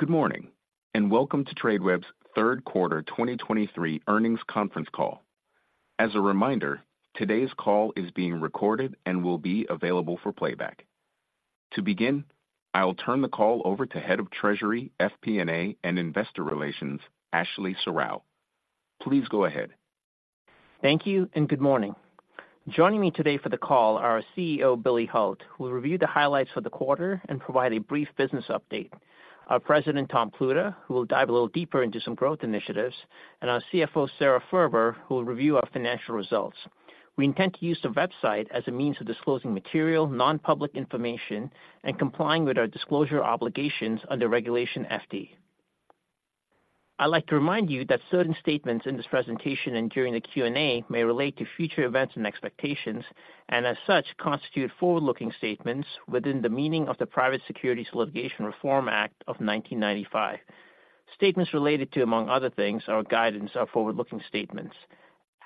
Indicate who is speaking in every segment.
Speaker 1: Good morning, and welcome to Tradeweb's third quarter 2023 earnings conference call. As a reminder, today's call is being recorded and will be available for playback. To begin, I will turn the call over to Head of Treasury, FP&A, and Investor Relations, Ashley Serrao. Please go ahead.
Speaker 2: Thank you and good morning. Joining me today for the call are our CEO, Billy Hult, who will review the highlights for the quarter and provide a brief business update. Our President, Tom Pluta, who will dive a little deeper into some growth initiatives. And our CFO, Sara Furber, who will review our financial results. We intend to use the website as a means of disclosing material, non-public information and complying with our disclosure obligations under Regulation FD. I'd like to remind you that certain statements in this presentation and during the Q&A may relate to future events and expectations, and as such, constitute forward-looking statements within the meaning of the Private Securities Litigation Reform Act of 1995. Statements related to, among other things, our guidance are forward-looking statements.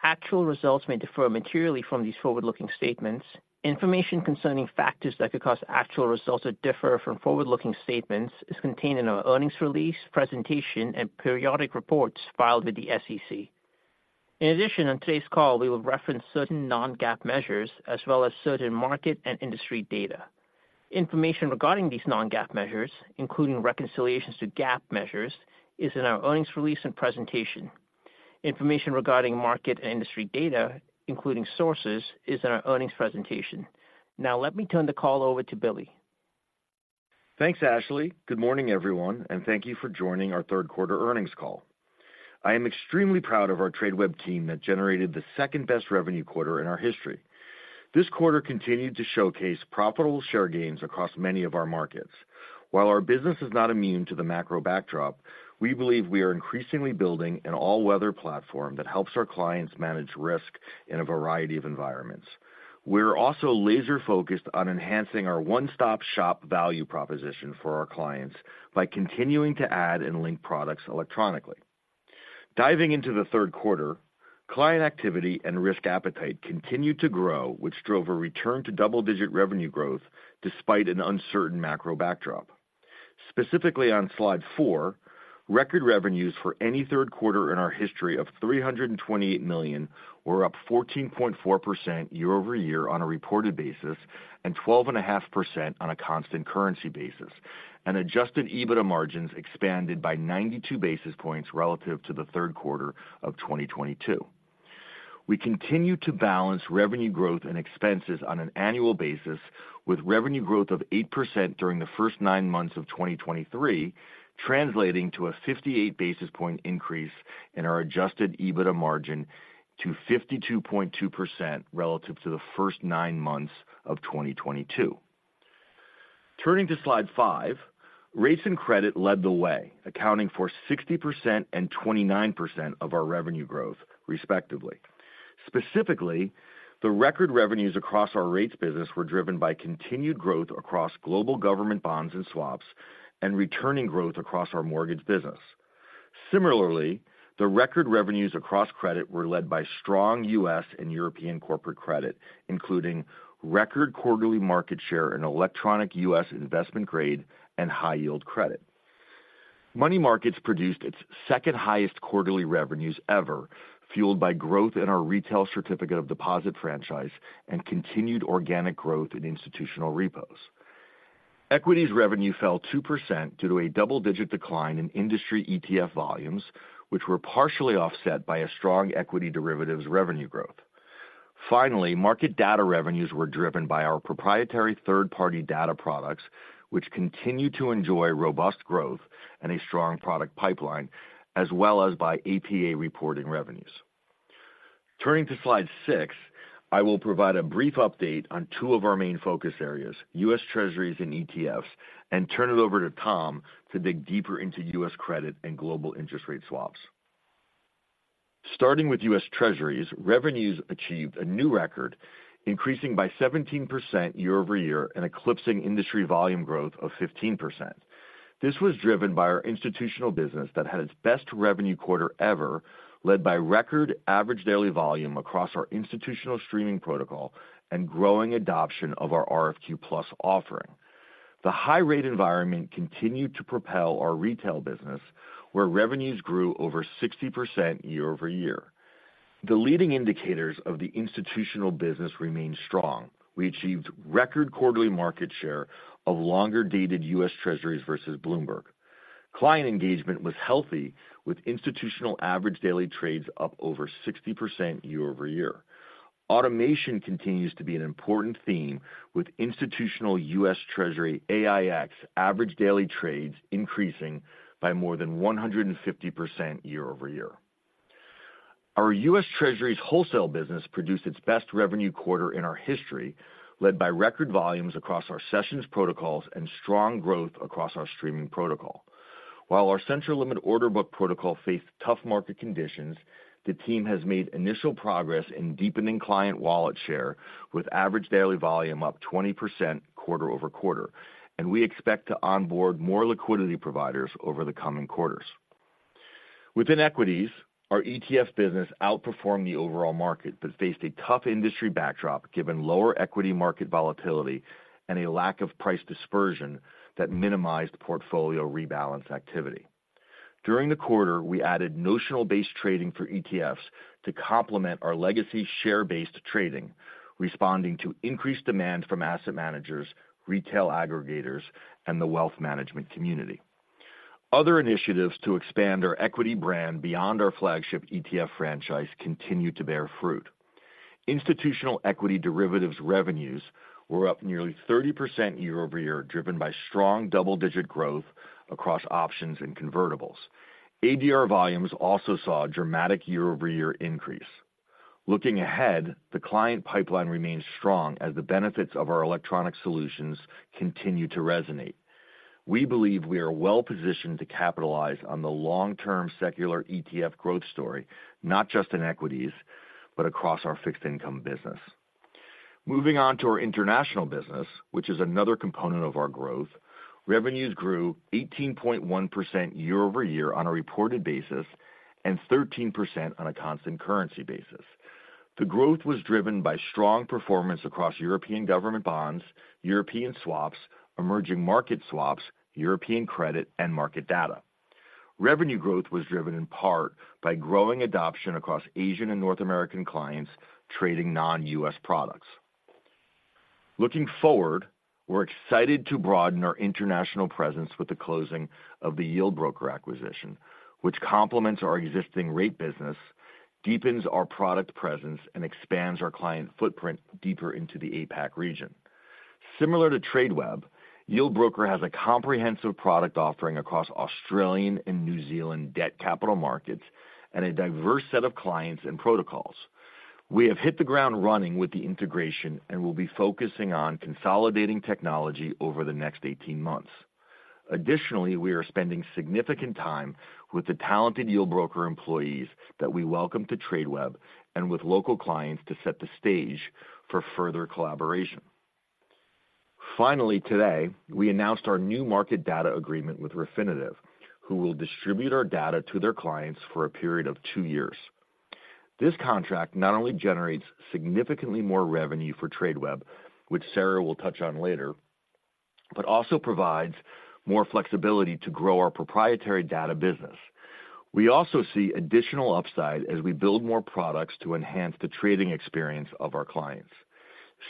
Speaker 2: Actual results may differ materially from these forward-looking statements. Information concerning factors that could cause actual results to differ from forward-looking statements is contained in our earnings release, presentation, and periodic reports filed with the SEC. In addition, on today's call, we will reference certain non-GAAP measures as well as certain market and industry data. Information regarding these non-GAAP measures, including reconciliations to GAAP measures, is in our earnings release and presentation. Information regarding market and industry data, including sources, is in our earnings presentation. Now, let me turn the call over to Billy.
Speaker 3: Thanks, Ashley. Good morning, everyone, and thank you for joining our third quarter earnings call. I am extremely proud of our Tradeweb team that generated the second-best revenue quarter in our history. This quarter continued to showcase profitable share gains across many of our markets. While our business is not immune to the macro backdrop, we believe we are increasingly building an all-weather platform that helps our clients manage risk in a variety of environments. We're also laser-focused on enhancing our one-stop-shop value proposition for our clients by continuing to add and link products electronically. Diving into the third quarter, client activity and risk appetite continued to grow, which drove a return to double-digit revenue growth despite an uncertain macro backdrop. Specifically, on slide four, record revenues for any third quarter in our history of $328 million were up 14.4% year-over-year on a reported basis, and 12.5% on a constant currency basis, and adjusted EBITDA margins expanded by 92 basis points relative to the third quarter of 2022. We continue to balance revenue growth and expenses on an annual basis, with revenue growth of 8% during the first nine months of 2023, translating to a 58 basis point increase in our adjusted EBITDA margin to 52.2% relative to the first nine months of 2022. Turning to slide five, rates and credit led the way, accounting for 60% and 29% of our revenue growth, respectively.` Specifically, the record revenues across our rates business were driven by continued growth across global government bonds and swaps and returning growth across our mortgage business. Similarly, the record revenues across credit were led by strong U.S. and European corporate credit, including record quarterly market share in electronic U.S. investment grade and high-yield credit. Money markets produced its second-highest quarterly revenues ever, fueled by growth in our retail certificate of deposit franchise and continued organic growth in institutional repos. Equities revenue fell 2% due to a double-digit decline in industry ETF volumes, which were partially offset by a strong equity derivatives revenue growth. Finally, market data revenues were driven by our proprietary third-party data products, which continue to enjoy robust growth and a strong product pipeline, as well as by APA reporting revenues. Turning to slide six, I will provide a brief update on two of our main focus areas, US Treasuries and ETFs, and turn it over to Tom to dig deeper into US credit and global interest rate swaps. Starting with US Treasuries, revenues achieved a new record, increasing by 17% year-over-year and eclipsing industry volume growth of 15%. This was driven by our institutional business that had its best revenue quarter ever, led by record average daily volume across our institutional streaming protocol and growing adoption of our RFQ Plus offering. The high rate environment continued to propel our retail business, where revenues grew over 60% year-over-year. The leading indicators of the institutional business remained strong. We achieved record quarterly market share of longer-dated US Treasuries versus Bloomberg. Client engagement was healthy, with institutional average daily trades up over 60% year-over-year. Automation continues to be an important theme, with institutional U.S. Treasury AiEX average daily trades increasing by more than 150% year-over-year. Our U.S. Treasuries wholesale business produced its best revenue quarter in our history, led by record volumes across our Sessions protocols and strong growth across our streaming protocol. While our central limit order book protocol faced tough market conditions, the team has made initial progress in deepening client wallet share, with average daily volume up 20% quarter-over-quarter, and we expect to onboard more liquidity providers over the coming quarters. Within equities, our ETF business outperformed the overall market, but faced a tough industry backdrop, given lower equity market volatility and a lack of price dispersion that minimized portfolio rebalance activity. During the quarter, we added notional-based trading for ETFs to complement our legacy share-based trading, responding to increased demand from asset managers, retail aggregators, and the wealth management community. Other initiatives to expand our equity brand beyond our flagship ETF franchise continued to bear fruit. Institutional equity derivatives revenues were up nearly 30% year-over-year, driven by strong double-digit growth across options and convertibles. ADR volumes also saw a dramatic year-over-year increase. Looking ahead, the client pipeline remains strong as the benefits of our electronic solutions continue to resonate. We believe we are well-positioned to capitalize on the long-term secular ETF growth story, not just in equities, but across our fixed income business. Moving on to our international business, which is another component of our growth, revenues grew 18.1% year-over-year on a reported basis, and 13% on a constant currency basis. The growth was driven by strong performance across European government bonds, European swaps, emerging market swaps, European credit, and market data. Revenue growth was driven in part by growing adoption across Asian and North American clients trading non-US products. Looking forward, we're excited to broaden our international presence with the closing of the Yieldbroker acquisition, which complements our existing rate business, deepens our product presence, and expands our client footprint deeper into the APAC region. Similar to Tradeweb, Yieldbroker has a comprehensive product offering across Australian and New Zealand debt capital markets and a diverse set of clients and protocols. We have hit the ground running with the integration and will be focusing on consolidating technology over the next eighteen months. Additionally, we are spending significant time with the talented Yieldbroker employees that we welcome to Tradeweb and with local clients to set the stage for further collaboration. Finally, today, we announced our new market data agreement with Refinitiv, who will distribute our data to their clients for a period of two years. This contract not only generates significantly more revenue for Tradeweb, which Sara will touch on later, but also provides more flexibility to grow our proprietary data business. We also see additional upside as we build more products to enhance the trading experience of our clients.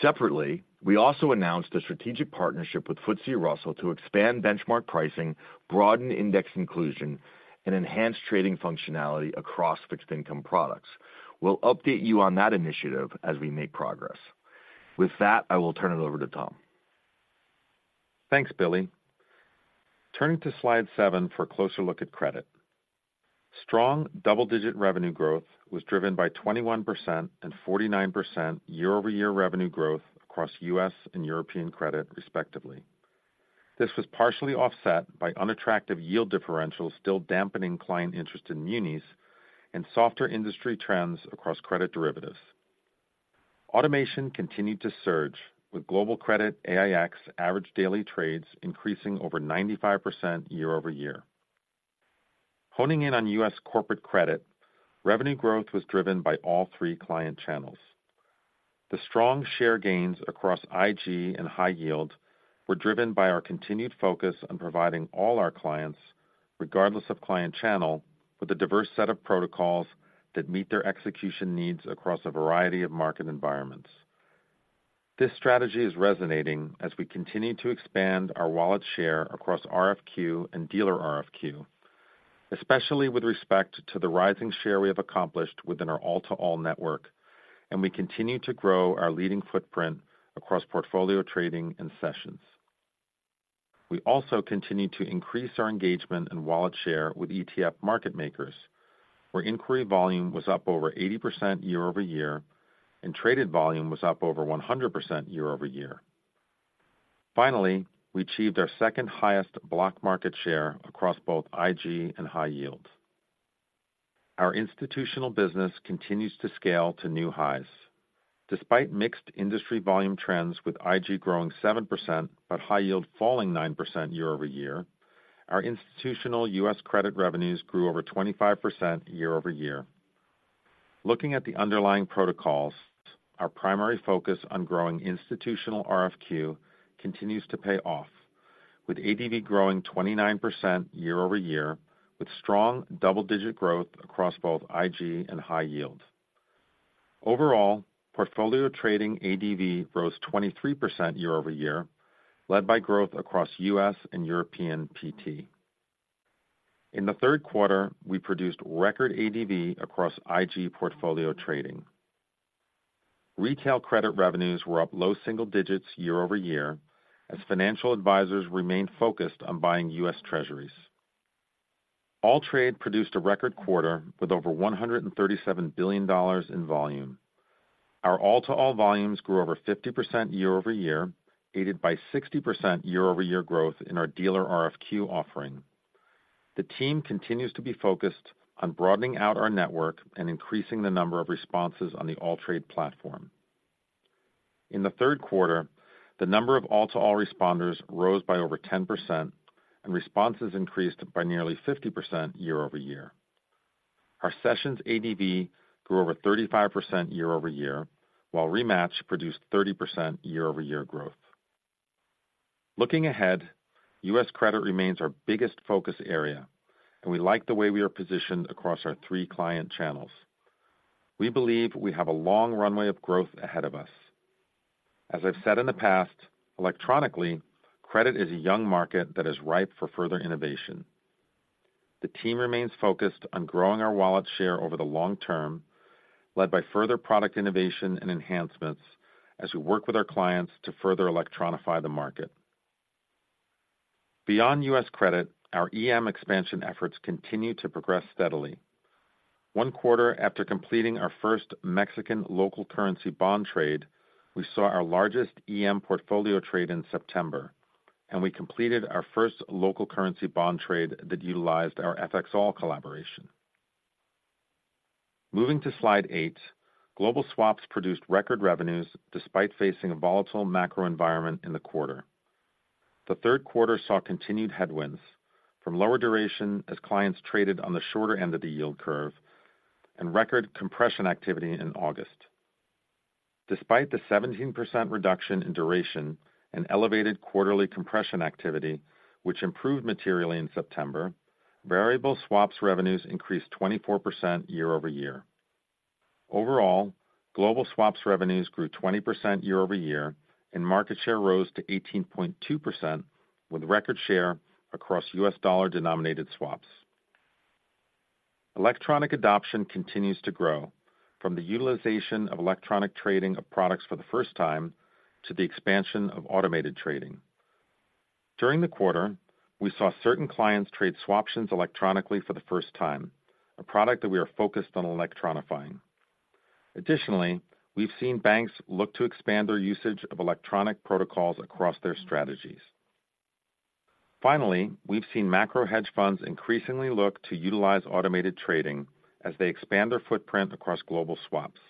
Speaker 3: Separately, we also announced a strategic partnership with FTSE Russell to expand benchmark pricing, broaden index inclusion, and enhance trading functionality across fixed income products. We'll update you on that initiative as we make progress. With that, I will turn it over to Tom.
Speaker 4: Thanks, Billy. Turning to slide seven for a closer look at credit. Strong double-digit revenue growth was driven by 21% and 49% year-over-year revenue growth across U.S. and European credit, respectively. This was partially offset by unattractive yield differentials, still dampening client interest in munis and softer industry trends across credit derivatives. Automation continued to surge, with global credit AiEX average daily trades increasing over 95% year-over-year. Honing in on U.S. corporate credit, revenue growth was driven by all three client channels. The strong share gains across IG and high yield were driven by our continued focus on providing all our clients, regardless of client channel, with a diverse set of protocols that meet their execution needs across a variety of market environments. This strategy is resonating as we continue to expand our wallet share across RFQ and dealer RFQ, especially with respect to the rising share we have accomplished within our all-to-all network, and we continue to grow our leading footprint across portfolio trading and sessions. We also continue to increase our engagement and wallet share with ETF market makers, where inquiry volume was up over 80% year-over-year, and traded volume was up over 100% year-over-year. Finally, we achieved our second highest block market share across both IG and high yield. Our institutional business continues to scale to new highs. Despite mixed industry volume trends, with IG growing 7%, but high yield falling 9% year-over-year, our institutional US credit revenues grew over 25% year-over-year. Looking at the underlying protocols, our primary focus on growing institutional RFQ continues to pay off, with ADV growing 29% year-over-year, with strong double-digit growth across both IG and high yield. Overall, portfolio trading ADV rose 23% year-over-year, led by growth across US and European PT. In the third quarter, we produced record ADV across IG portfolio trading. Retail credit revenues were up low single digits year-over-year, as financial advisors remained focused on buying US Treasuries. AllTrade produced a record quarter with over $137 billion in volume. Our all-to-all volumes grew over 50% year-over-year, aided by 60% year-over-year growth in our Dealer RFQ offering. The team continues to be focused on broadening out our network and increasing the number of responses on the AllTrade platform. In the third quarter, the number of all-to-all responders rose by over 10%, and responses increased by nearly 50% year-over-year. Our Sessions ADV grew over 35% year-over-year, while ReMatch produced 30% year-over-year growth. Looking ahead, U.S. credit remains our biggest focus area, and we like the way we are positioned across our three client channels. We believe we have a long runway of growth ahead of us. As I've said in the past, electronically, credit is a young market that is ripe for further innovation. The team remains focused on growing our wallet share over the long term, led by further product innovation and enhancements as we work with our clients to further electronify the market. Beyond U.S. credit, our EM expansion efforts continue to progress steadily. One quarter after completing our first Mexican local currency bond trade, we saw our largest EM portfolio trade in September, and we completed our first local currency bond trade that utilized our FXall collaboration. Moving to Slide eight, global swaps produced record revenues despite facing a volatile macro environment in the quarter. The third quarter saw continued headwinds from lower duration as clients traded on the shorter end of the yield curve and record compression activity in August. Despite the 17% reduction in duration and elevated quarterly compression activity, which improved materially in September, variable swaps revenues increased 24% year-over-year. Overall, global swaps revenues grew 20% year-over-year, and market share rose to 18.2%, with record share across U.S. dollar-denominated swaps. Electronic adoption continues to grow, from the utilization of electronic trading of products for the first time to the expansion of automated trading. During the quarter, we saw certain clients trade swaptions electronically for the first time, a product that we are focused on electronifying. Additionally, we've seen banks look to expand their usage of electronic protocols across their strategies. Finally, we've seen macro hedge funds increasingly look to utilize automated trading as they expand their footprint across global swaps.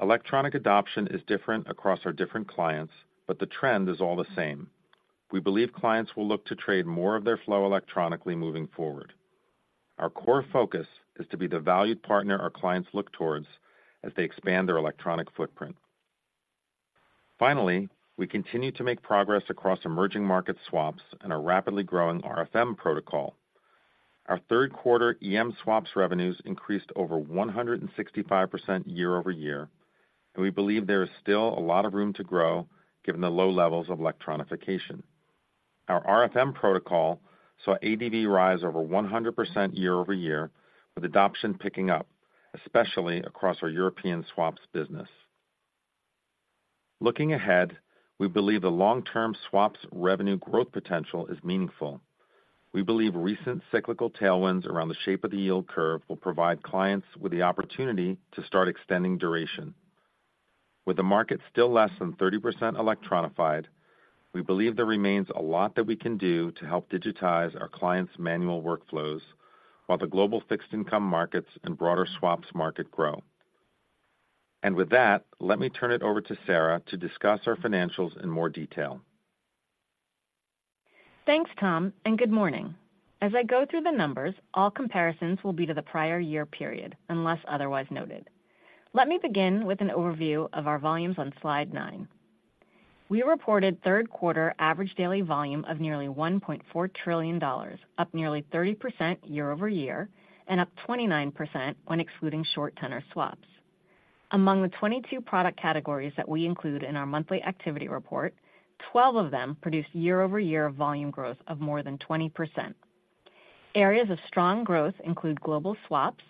Speaker 4: Electronic adoption is different across our different clients, but the trend is all the same. We believe clients will look to trade more of their flow electronically moving forward. Our core focus is to be the valued partner our clients look towards as they expand their electronic footprint. Finally, we continue to make progress across emerging market swaps and our rapidly growing RFM protocol. Our third quarter EM swaps revenues increased over 165% year-over-year, and we believe there is still a lot of room to grow given the low levels of electronification. Our RFM protocol saw ADV rise over 100% year-over-year, with adoption picking up, especially across our European swaps business. Looking ahead, we believe the long-term swaps revenue growth potential is meaningful. We believe recent cyclical tailwinds around the shape of the yield curve will provide clients with the opportunity to start extending duration. With the market still less than 30% electronified, we believe there remains a lot that we can do to help digitize our clients' manual workflows, while the global fixed income markets and broader swaps market grow. With that, let me turn it over to Sara to discuss our financials in more detail.
Speaker 5: Thanks, Tom, and good morning. As I go through the numbers, all comparisons will be to the prior year period, unless otherwise noted. Let me begin with an overview of our volumes on Slide nine. We reported third quarter average daily volume of nearly $1.4 trillion, up nearly 30% year-over-year and up 29% when excluding short-tenor swaps. Among the 22 product categories that we include in our monthly activity report, 12 of them produced year-over-year volume growth of more than 20%. Areas of strong growth include global swaps,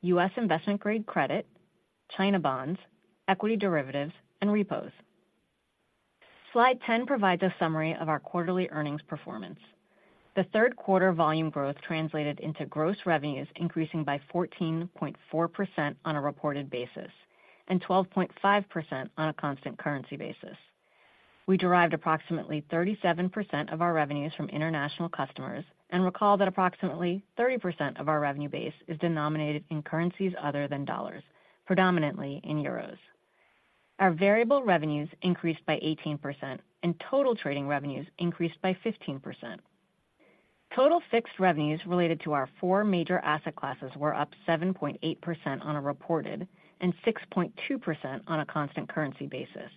Speaker 5: US investment-grade credit, China bonds, equity derivatives, and repos. Slide 10 provides a summary of our quarterly earnings performance. The third quarter volume growth translated into gross revenues, increasing by 14.4% on a reported basis and 12.5% on a constant currency basis. We derived approximately 37% of our revenues from international customers and recall that approximately 30% of our revenue base is denominated in currencies other than U.S. dollars, predominantly in euros. Our variable revenues increased by 18%, and total trading revenues increased by 15%. Total fixed revenues related to our four major asset classes were up 7.8% on a reported and 6.2% on a constant currency basis.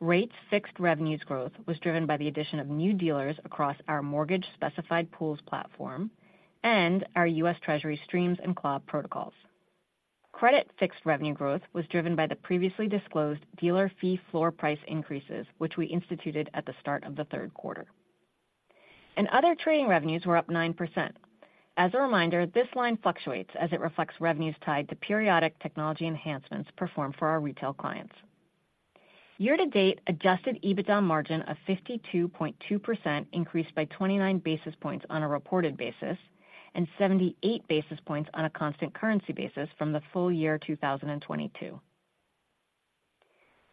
Speaker 5: Rates fixed revenues growth was driven by the addition of new dealers across our mortgage specified pools platform and our U.S. Treasury sweeps and CLOB protocols. Credit fixed revenue growth was driven by the previously disclosed dealer fee floor price increases, which we instituted at the start of the third quarter. Other trading revenues were up 9%. As a reminder, this line fluctuates as it reflects revenues tied to periodic technology enhancements performed for our retail clients. Year-to-date, adjusted EBITDA margin of 52.2% increased by 29 basis points on a reported basis and 78 basis points on a constant currency basis from the full year 2022.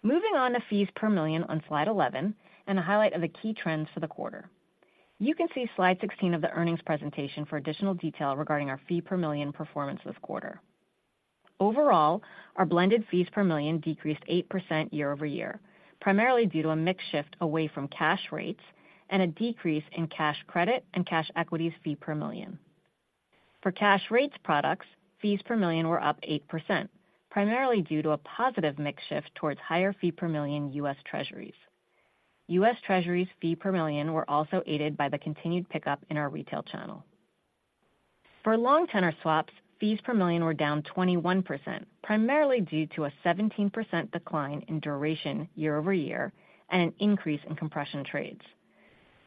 Speaker 5: Moving on to fees per million on Slide 11, and a highlight of the key trends for the quarter. You can see slide 16 of the earnings presentation for additional detail regarding our fee per million performance this quarter. Overall, our blended fees per million decreased 8% year-over-year, primarily due to a mix shift away from cash rates and a decrease in cash credit and cash equities fee per million. For cash rates products, fees per million were up 8%, primarily due to a positive mix shift towards higher fee per million U.S. Treasuries. U.S. Treasuries fee per million were also aided by the continued pickup in our retail channel. For long tenor swaps, fees per million were down 21%, primarily due to a 17% decline in duration year-over-year and an increase in compression trades.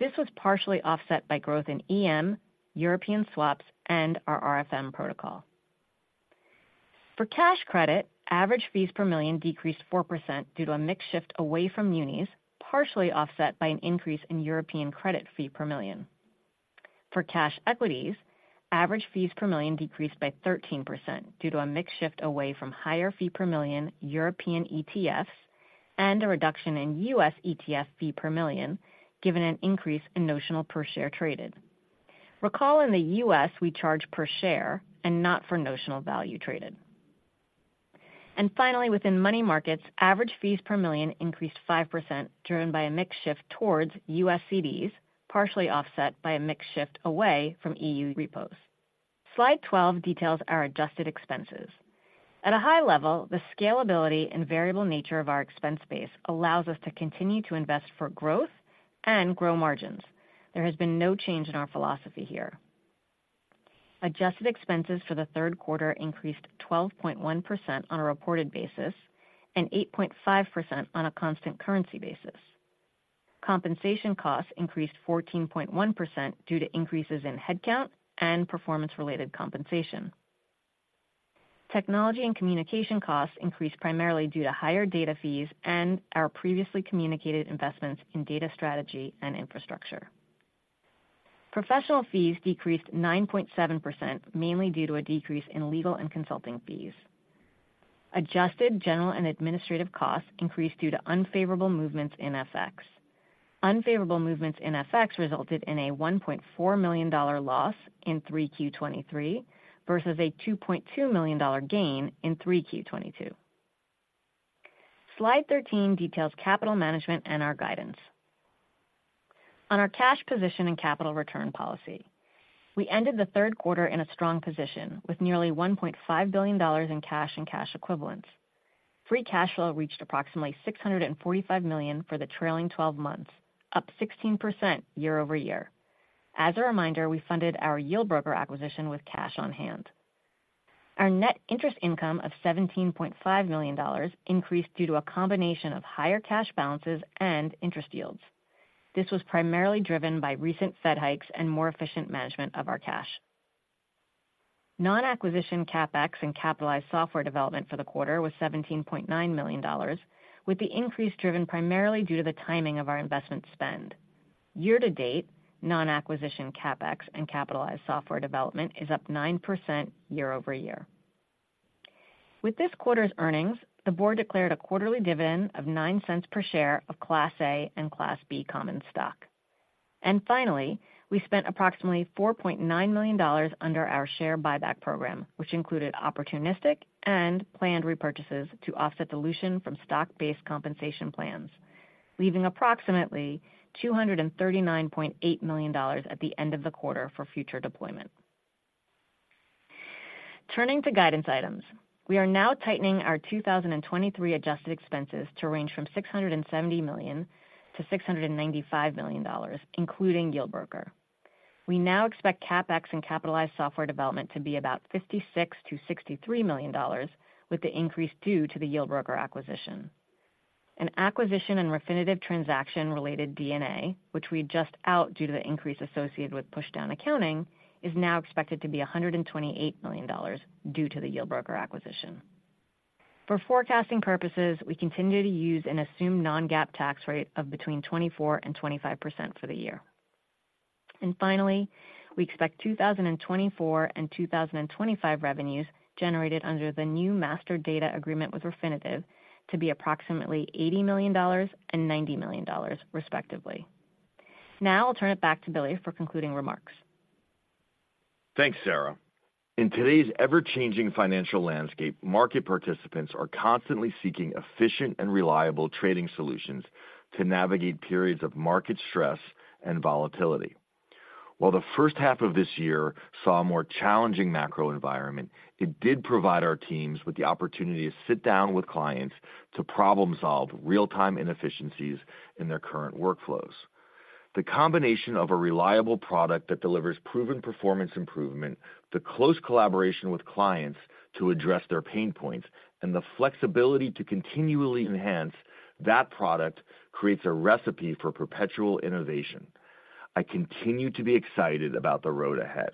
Speaker 5: This was partially offset by growth in EM, European swaps, and our RFM protocol. For cash credit, average fees per million decreased 4% due to a mix shift away from munis, partially offset by an increase in European credit fee per million. For cash equities, average fees per million decreased by 13% due to a mix shift away from higher fee per million European ETFs and a reduction in US ETF fee per million, given an increase in notional per share traded. Recall, in the US, we charge per share and not for notional value traded. And finally, within money markets, average fees per million increased 5%, driven by a mix shift towards US CDs, partially offset by a mix shift away from EU repos. Slide 12 details our adjusted expenses. At a high level, the scalability and variable nature of our expense base allows us to continue to invest for growth and grow margins. There has been no change in our philosophy here. Adjusted expenses for the third quarter increased 12.1% on a reported basis and 8.5% on a constant currency basis. Compensation costs increased 14.1% due to increases in headcount and performance-related compensation. Technology and communication costs increased primarily due to higher data fees and our previously communicated investments in data strategy and infrastructure. Professional fees decreased 9.7%, mainly due to a decrease in legal and consulting fees. Adjusted general and administrative costs increased due to unfavorable movements in FX. Unfavorable movements in FX resulted in a $1.4 million loss in 3Q 2023 versus a $2.2 million gain in 3Q 2022. Slide 13 details capital management and our guidance. On our cash position and capital return policy, we ended the third quarter in a strong position, with nearly $1.5 billion in cash and cash equivalents. Free cash flow reached approximately $645 million for the trailing twelve months, up 16% year-over-year. As a reminder, we funded our Yieldbroker acquisition with cash on hand. Our net interest income of $17.5 million increased due to a combination of higher cash balances and interest yields. This was primarily driven by recent Fed hikes and more efficient management of our cash. Non-acquisition CapEx and capitalized software development for the quarter was $17.9 million, with the increase driven primarily due to the timing of our investment spend. Year-to-date, non-acquisition CapEx and capitalized software development is up 9% year-over-year. With this quarter's earnings, the board declared a quarterly dividend of $0.09 per share of Class A and Class B common stock. Finally, we spent approximately $4.9 million under our share buyback program, which included opportunistic and planned repurchases to offset dilution from stock-based compensation plans, leaving approximately $239.8 million at the end of the quarter for future deployment. Turning to guidance items, we are now tightening our 2023 adjusted expenses to range from $670 million-$695 million, including Yieldbroker. We now expect CapEx and capitalized software development to be about $56 million-$63 million, with the increase due to the Yieldbroker acquisition. An acquisition and Refinitiv transaction-related D&A, which we adjust out due to the increase associated with push-down accounting, is now expected to be $128 million due to the Yieldbroker acquisition. For forecasting purposes, we continue to use an assumed non-GAAP tax rate of between 24% and 25% for the year. And finally, we expect 2024 and 2025 revenues generated under the new master data agreement with Refinitiv to be approximately $80 million and $90 million, respectively. Now I'll turn it back to Billy for concluding remarks.
Speaker 3: Thanks, Sara. In today's ever-changing financial landscape, market participants are constantly seeking efficient and reliable trading solutions to navigate periods of market stress and volatility. While the first half of this year saw a more challenging macro environment, it did provide our teams with the opportunity to sit down with clients to problem solve real-time inefficiencies in their current workflows. The combination of a reliable product that delivers proven performance improvement, the close collaboration with clients to address their pain points, and the flexibility to continually enhance that product creates a recipe for perpetual innovation. I continue to be excited about the road ahead.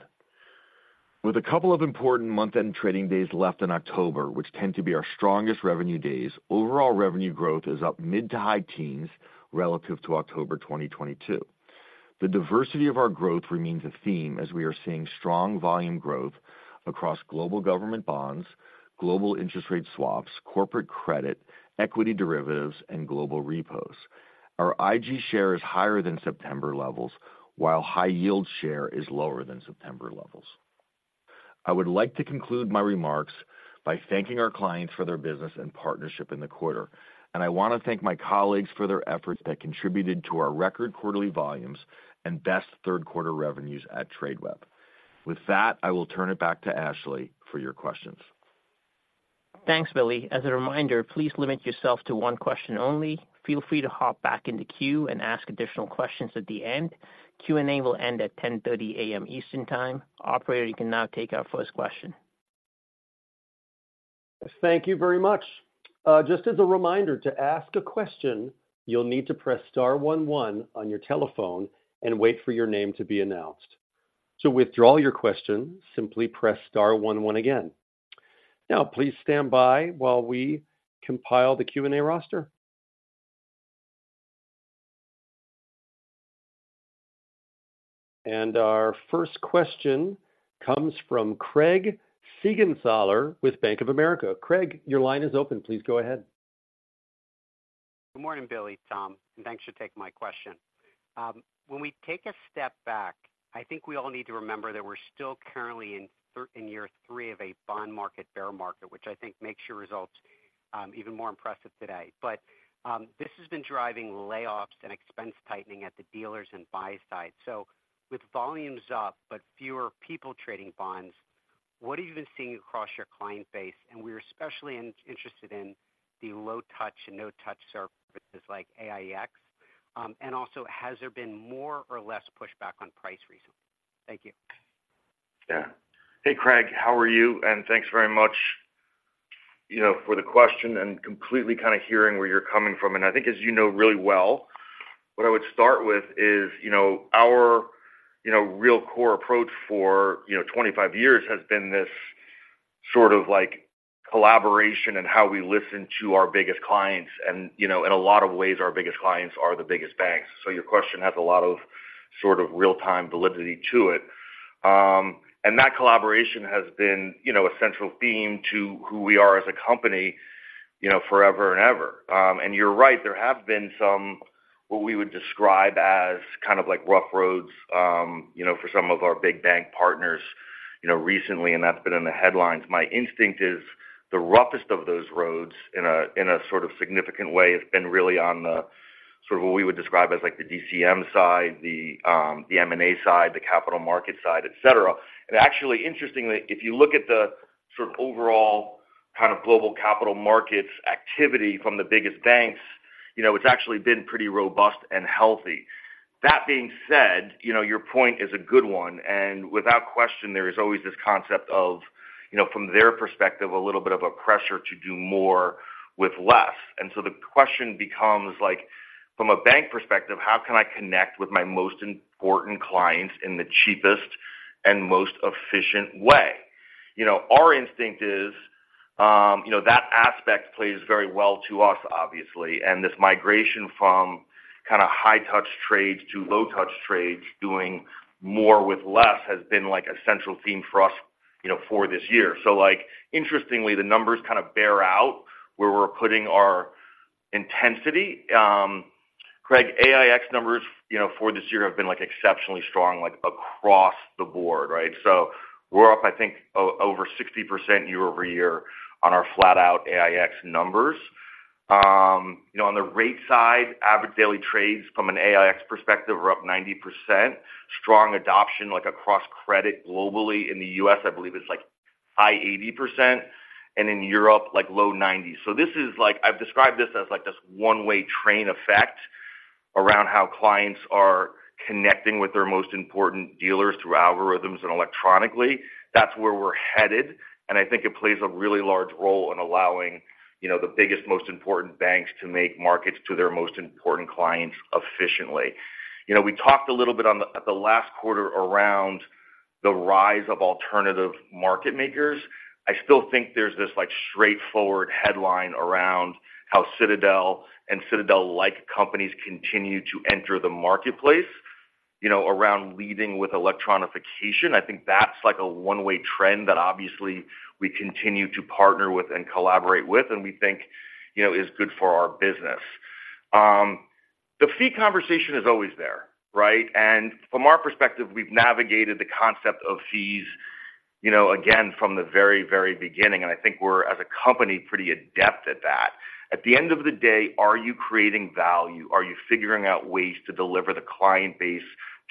Speaker 3: With a couple of important month-end trading days left in October, which tend to be our strongest revenue days, overall revenue growth is up mid- to high teens relative to October 2022. The diversity of our growth remains a theme as we are seeing strong volume growth across global government bonds, global interest rate swaps, corporate credit, equity derivatives, and global repos. Our IG share is higher than September levels, while high yield share is lower than September levels.... I would like to conclude my remarks by thanking our clients for their business and partnership in the quarter. I want to thank my colleagues for their efforts that contributed to our record quarterly volumes and best third quarter revenues at Tradeweb. With that, I will turn it back to Ashley for your questions.
Speaker 2: Thanks, Billy. As a reminder, please limit yourself to one question only. Feel free to hop back in the queue and ask additional questions at the end. Q&A will end at 10:30 A.M. Eastern Time. Operator, you can now take our first question.
Speaker 1: Thank you very much. Just as a reminder, to ask a question, you'll need to press star one one on your telephone and wait for your name to be announced. To withdraw your question, simply press star one one again. Now, please stand by while we compile the Q&A roster. Our first question comes from Craig Siegenthaler with Bank of America. Craig, your line is open. Please go ahead.
Speaker 6: Good morning, Billy, Tom, and thanks for taking my question. When we take a step back, I think we all need to remember that we're still currently in year three of a bond market bear market, which I think makes your results even more impressive today. But this has been driving layoffs and expense tightening at the dealers and buy side. So with volumes up, but fewer people trading bonds, what have you been seeing across your client base? And we're especially interested in the low touch and no touch services like AiEX. And also, has there been more or less pushback on price recently? Thank you.
Speaker 3: Yeah. Hey, Craig, how are you? And thanks very much, you know, for the question and completely kind of hearing where you're coming from. And I think, as you know really well, what I would start with is, you know, our, you know, real core approach for, you know, 25 years has been this sort of like, collaboration and how we listen to our biggest clients. And, you know, in a lot of ways, our biggest clients are the biggest banks. So your question has a lot of sort of real-time validity to it. And that collaboration has been, you know, a central theme to who we are as a company, you know, forever and ever. And you're right, there have been some, what we would describe as kind of like, rough roads, you know, for some of our big bank partners, you know, recently, and that's been in the headlines. My instinct is the roughest of those roads in a sort of significant way have been really on the sort of what we would describe as like the DCM side, the M&A side, the capital market side, et cetera. And actually, interestingly, if you look at the sort of overall kind of global capital markets activity from the biggest banks, you know, it's actually been pretty robust and healthy. That being said, you know, your point is a good one, and without question, there is always this concept of, you know, from their perspective, a little bit of a pressure to do more with less. And so the question becomes, like, from a bank perspective, how can I connect with my most important clients in the cheapest and most efficient way? You know, our instinct is, you know, that aspect plays very well to us, obviously. And this migration from kind of high touch trades to low touch trades, doing more with less, has been like, a central theme for us, you know, for this year. So like, interestingly, the numbers kind of bear out where we're putting our intensity. Craig, AiEX numbers, you know, for this year have been like, exceptionally strong, like, across the board, right? So we're up, I think, over 60% year-over-year on our flat-out AiEX numbers. You know, on the rate side, average daily trades from an AiEX perspective are up 90%. Strong adoption, like across credit globally. In the US, I believe it's like high 80%, and in Europe, like low 90s. So this is like... I've described this as like this one-way train effect around how clients are connecting with their most important dealers through algorithms and electronically. That's where we're headed, and I think it plays a really large role in allowing, you know, the biggest, most important banks to make markets to their most important clients efficiently. You know, we talked a little bit on the- at the last quarter around the rise of alternative market makers. I still think there's this, like, straightforward headline around how Citadel and Citadel-like companies continue to enter the marketplace, you know, around leading with electronification. I think that's like a one-way trend that obviously we continue to partner with and collaborate with, and we think, you know, is good for our business. The fee conversation is always there, right? And from our perspective, we've navigated the concept of fees, you know, again, from the very, very beginning, and I think we're, as a company, pretty adept at that. At the end of the day, are you creating value? Are you figuring out ways to deliver the client base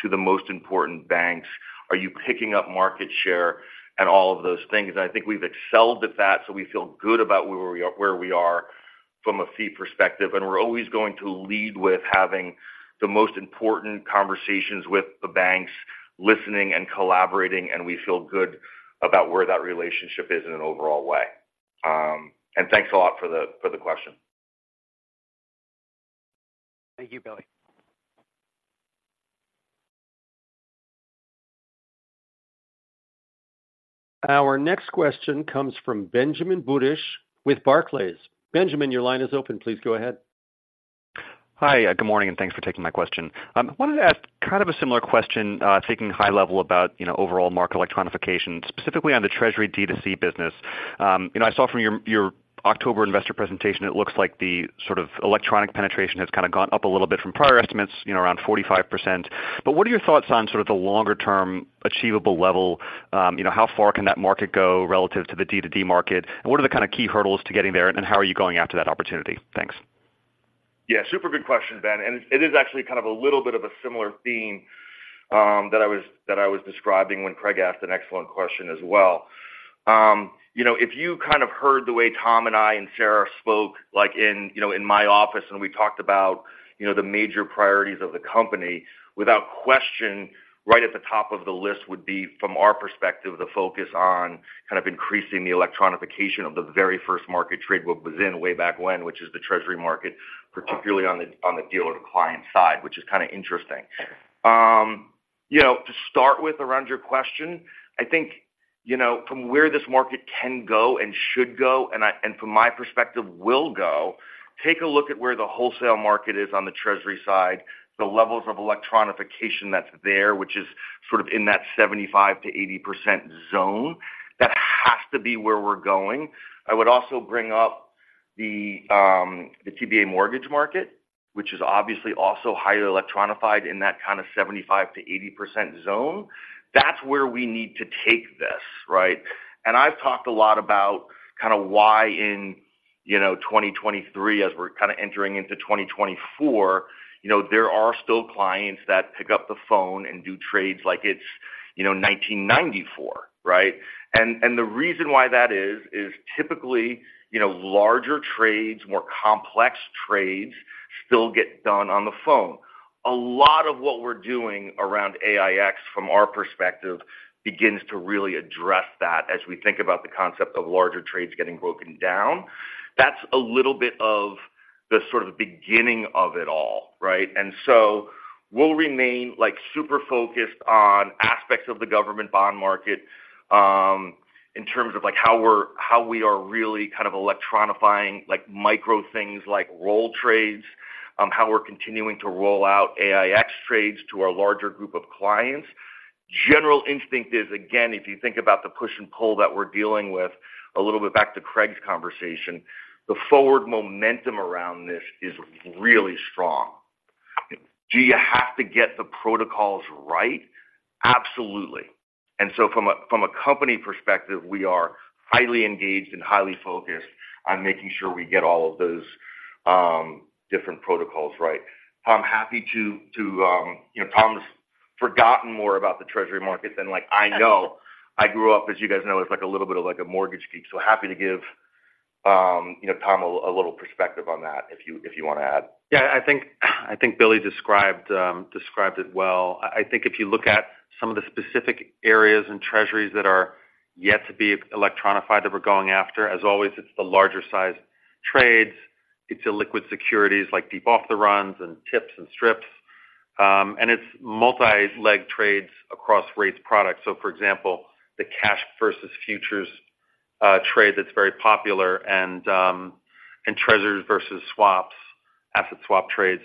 Speaker 3: to the most important banks? Are you picking up market share and all of those things? And I think we've excelled at that, so we feel good about where we are, where we are from a fee perspective. And we're always going to lead with having the most important conversations with the banks, listening and collaborating, and we feel good about where that relationship is in an overall way. And thanks a lot for the question.
Speaker 6: Thank you, Billy.
Speaker 1: Our next question comes from Benjamin Budish with Barclays. Benjamin, your line is open. Please go ahead.
Speaker 7: Hi, good morning, and thanks for taking my question. I wanted to ask kind of a similar question, taking high level about, you know, overall market electronification, specifically on the Treasury D2C business. You know, I saw from your, your October investor presentation, it looks like the sort of electronic penetration has kind of gone up a little bit from prior estimates, you know, around 45%. But what are your thoughts on sort of the longer-term achievable level? You know, how far can that market go relative to the D2D market? And what are the kind of key hurdles to getting there, and how are you going after that opportunity? Thanks.
Speaker 3: Yeah, super good question, Ben. And it is actually kind of a little bit of a similar theme, that I was, that I was describing when Craig asked an excellent question as well. You know, if you kind of heard the way Tom and I and Sara spoke, like, in, you know, in my office, and we talked about, you know, the major priorities of the company, without question, right at the top of the list would be, from our perspective, the focus on kind of increasing the electronification of the very first market Tradeweb was in way back when, which is the Treasury market, particularly on the, on the dealer to client side, which is kind of interesting. You know, to start with, around your question, I think, you know, from where this market can go and should go, and from my perspective, will go, take a look at where the wholesale market is on the Treasury side, the levels of electronification that's there, which is sort of in that 75%-80% zone. That has to be where we're going. I would also bring up the TBA mortgage market, which is obviously also highly electronified in that kind of 75%-80% zone. That's where we need to take this, right? And I've talked a lot about kind of why in, you know, 2023, as we're kind of entering into 2024, you know, there are still clients that pick up the phone and do trades like it's, you know, 1994, right? And the reason why that is, is typically, you know, larger trades, more complex trades still get done on the phone. A lot of what we're doing around AiEX, from our perspective, begins to really address that as we think about the concept of larger trades getting broken down. That's a little bit of the sort of beginning of it all, right? And so we'll remain, like, super focused on aspects of the government bond market, in terms of, like, how we're, how we are really kind of electronifying, like, micro things, like roll trades, how we're continuing to roll out AiEX trades to our larger group of clients. General instinct is, again, if you think about the push and pull that we're dealing with, a little bit back to Craig's conversation, the forward momentum around this is really strong. Do you have to get the protocols right? Absolutely. And so from a company perspective, we are highly engaged and highly focused on making sure we get all of those different protocols right. I'm happy to... You know, Tom's forgotten more about the treasury market than, like, I know. I grew up, as you guys know, as like, a little bit of, like, a mortgage geek, so happy to give you know, Tom a little perspective on that, if you want to add.
Speaker 4: Yeah, I think Billy described it well. I think if you look at some of the specific areas in Treasuries that are yet to be electronified, that we're going after, as always, it's the larger size trades, it's illiquid securities, like deep off-the-run and tips and strips, and it's multi-leg trades across rates products. So for example, the cash versus futures trade, that's very popular, and Treasures versus swaps, asset swap trades.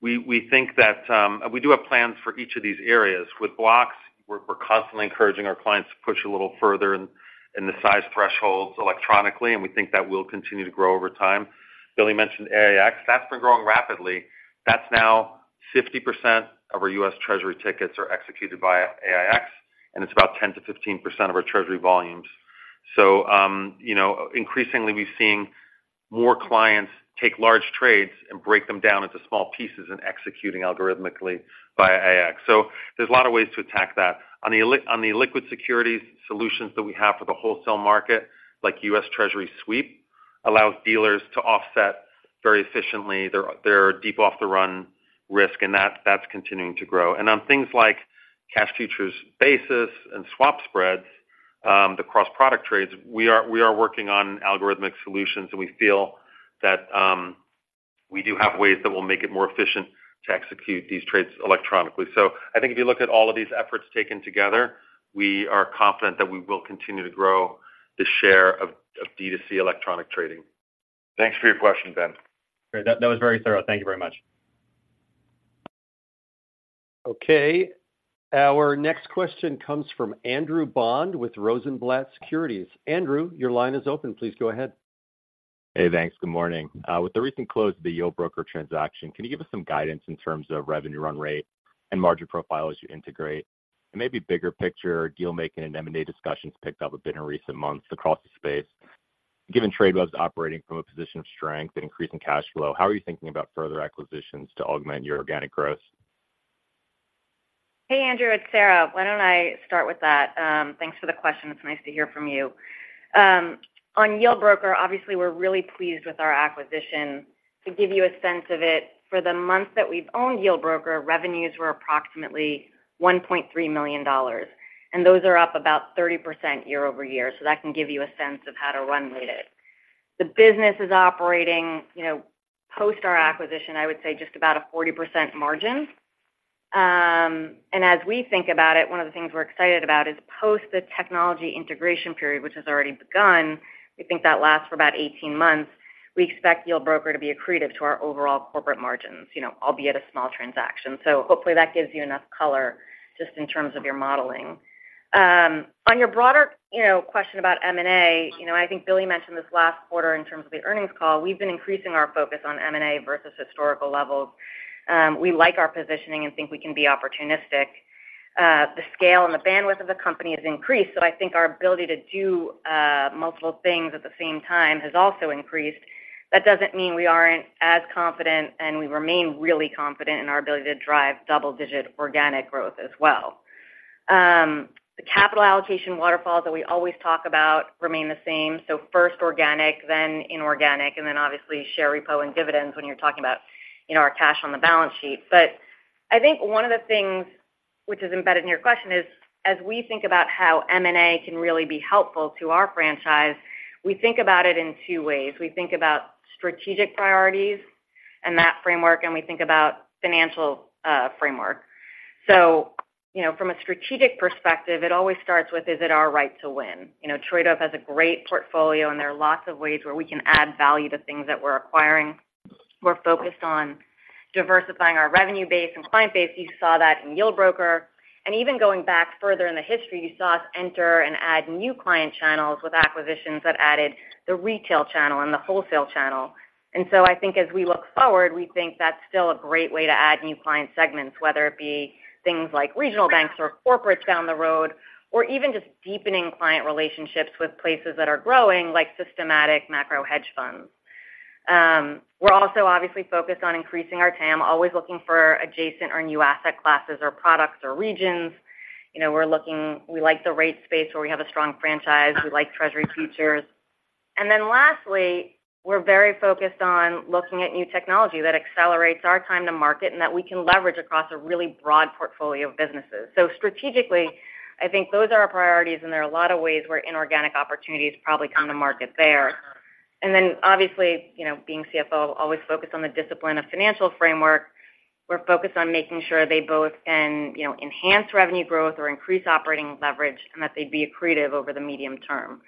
Speaker 4: We think that we do have plans for each of these areas. With blocks, we're constantly encouraging our clients to push a little further in the size thresholds electronically, and we think that will continue to grow over time. Billy mentioned AiEX. That's been growing rapidly. That's now 50% of our US Treasury tickets are executed via AiEX, and it's about 10%-15% of our treasury volumes. So, you know, increasingly, we've seen more clients take large trades and break them down into small pieces and executing algorithmically via AiEX. So there's a lot of ways to attack that. On the liquid securities solutions that we have for the wholesale market, like US Treasury Sweep, allows dealers to offset very efficiently their deep off the run risk, and that's continuing to grow. And on things like cash futures, basis, and swap spreads, the cross-product trades, we are working on algorithmic solutions, and we feel that we do have ways that will make it more efficient to execute these trades electronically. So I think if you look at all of these efforts taken together, we are confident that we will continue to grow the share of, of D2C electronic trading.
Speaker 3: Thanks for your question, Ben.
Speaker 7: Great. That, that was very thorough. Thank you very much.
Speaker 1: Okay. Our next question comes from Andrew Bond with Rosenblatt Securities. Andrew, your line is open. Please go ahead.
Speaker 8: Hey, thanks. Good morning. With the recent close of the Yieldbroker transaction, can you give us some guidance in terms of revenue run rate and margin profile as you integrate? And maybe bigger picture, deal making and M&A discussions picked up a bit in recent months across the space. Given Tradeweb's operating from a position of strength and increasing cash flow, how are you thinking about further acquisitions to augment your organic growth?
Speaker 5: Hey, Andrew, it's Sara. Why don't I start with that? Thanks for the question. It's nice to hear from you. On Yieldbroker, obviously, we're really pleased with our acquisition. To give you a sense of it, for the months that we've owned Yieldbroker, revenues were approximately $1.3 million, and those are up about 30% year-over-year. So that can give you a sense of how to run rate it. The business is operating, you know, post our acquisition, I would say, just about a 40% margin. And as we think about it, one of the things we're excited about is post the technology integration period, which has already begun, we think that lasts for about 18 months. We expect Yieldbroker to be accretive to our overall corporate margins, you know, albeit a small transaction. So hopefully, that gives you enough color just in terms of your modeling. On your broader, you know, question about M&A, you know, I think Billy mentioned this last quarter in terms of the earnings call, we've been increasing our focus on M&A versus historical levels. We like our positioning and think we can be opportunistic. The scale and the bandwidth of the company has increased, so I think our ability to do multiple things at the same time has also increased. That doesn't mean we aren't as confident, and we remain really confident in our ability to drive double-digit organic growth as well. The capital allocation waterfalls that we always talk about remain the same, so first organic, then inorganic, and then obviously, share repo and dividends when you're talking about, you know, our cash on the balance sheet. But I think one of the things which is embedded in your question is, as we think about how M&A can really be helpful to our franchise, we think about it in two ways. We think about strategic priorities and that framework, and we think about financial framework. So, you know, from a strategic perspective, it always starts with, is it our right to win? You know, Tradeweb has a great portfolio, and there are lots of ways where we can add value to things that we're acquiring. We're focused on diversifying our revenue base and client base. You saw that in Yieldbroker. And even going back further in the history, you saw us enter and add new client channels with acquisitions that added the retail channel and the wholesale channel. And so I think as we look forward, we think that's still a great way to add new client segments, whether it be things like regional banks or corporates down the road, or even just deepening client relationships with places that are growing, like systematic macro hedge funds. We're also obviously focused on increasing our TAM, always looking for adjacent or new asset classes or products or regions. You know, we're looking. We like the rate space where we have a strong franchise. We like Treasury futures. And then lastly, we're very focused on looking at new technology that accelerates our time to market and that we can leverage across a really broad portfolio of businesses. So strategically, I think those are our priorities, and there are a lot of ways where inorganic opportunities probably come to market there. Then, obviously, you know, being CFO, always focused on the discipline of financial framework. We're focused on making sure they both can, you know, enhance revenue growth or increase operating leverage, and that they'd be accretive over the medium term.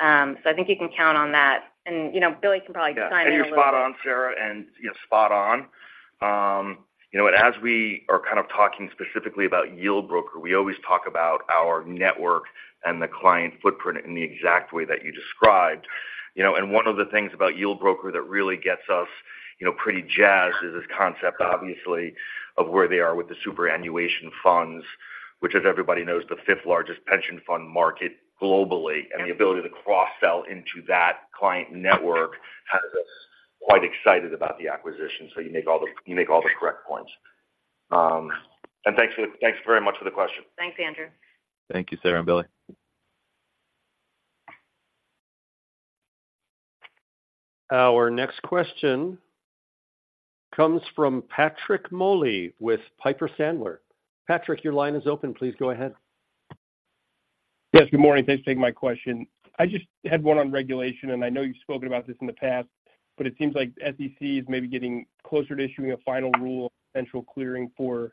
Speaker 5: So I think you can count on that. And, you know, Billy can probably chime in a little bit.
Speaker 3: Yeah, and you're spot on, Sara, and, you know, spot on. You know, and as we are kind of talking specifically about Yieldbroker, we always talk about our network and the client footprint in the exact way that you described. You know, and one of the things about Yieldbroker that really gets us, you know, pretty jazzed is this concept, obviously, of where they are with the superannuation funds, which, as everybody knows, is the fifth largest pension fund market globally, and the ability to cross-sell into that client network has us quite excited about the acquisition. So you make all the correct points. And thanks very much for the question.
Speaker 5: Thanks, Andrew.
Speaker 8: Thank you, Sara and Billy.
Speaker 1: Our next question comes from Patrick Moley with Piper Sandler. Patrick, your line is open. Please go ahead.
Speaker 9: Yes, good morning. Thanks for taking my question. I just had one on regulation, and I know you've spoken about this in the past, but it seems like SEC is maybe getting closer to issuing a final rule, central clearing for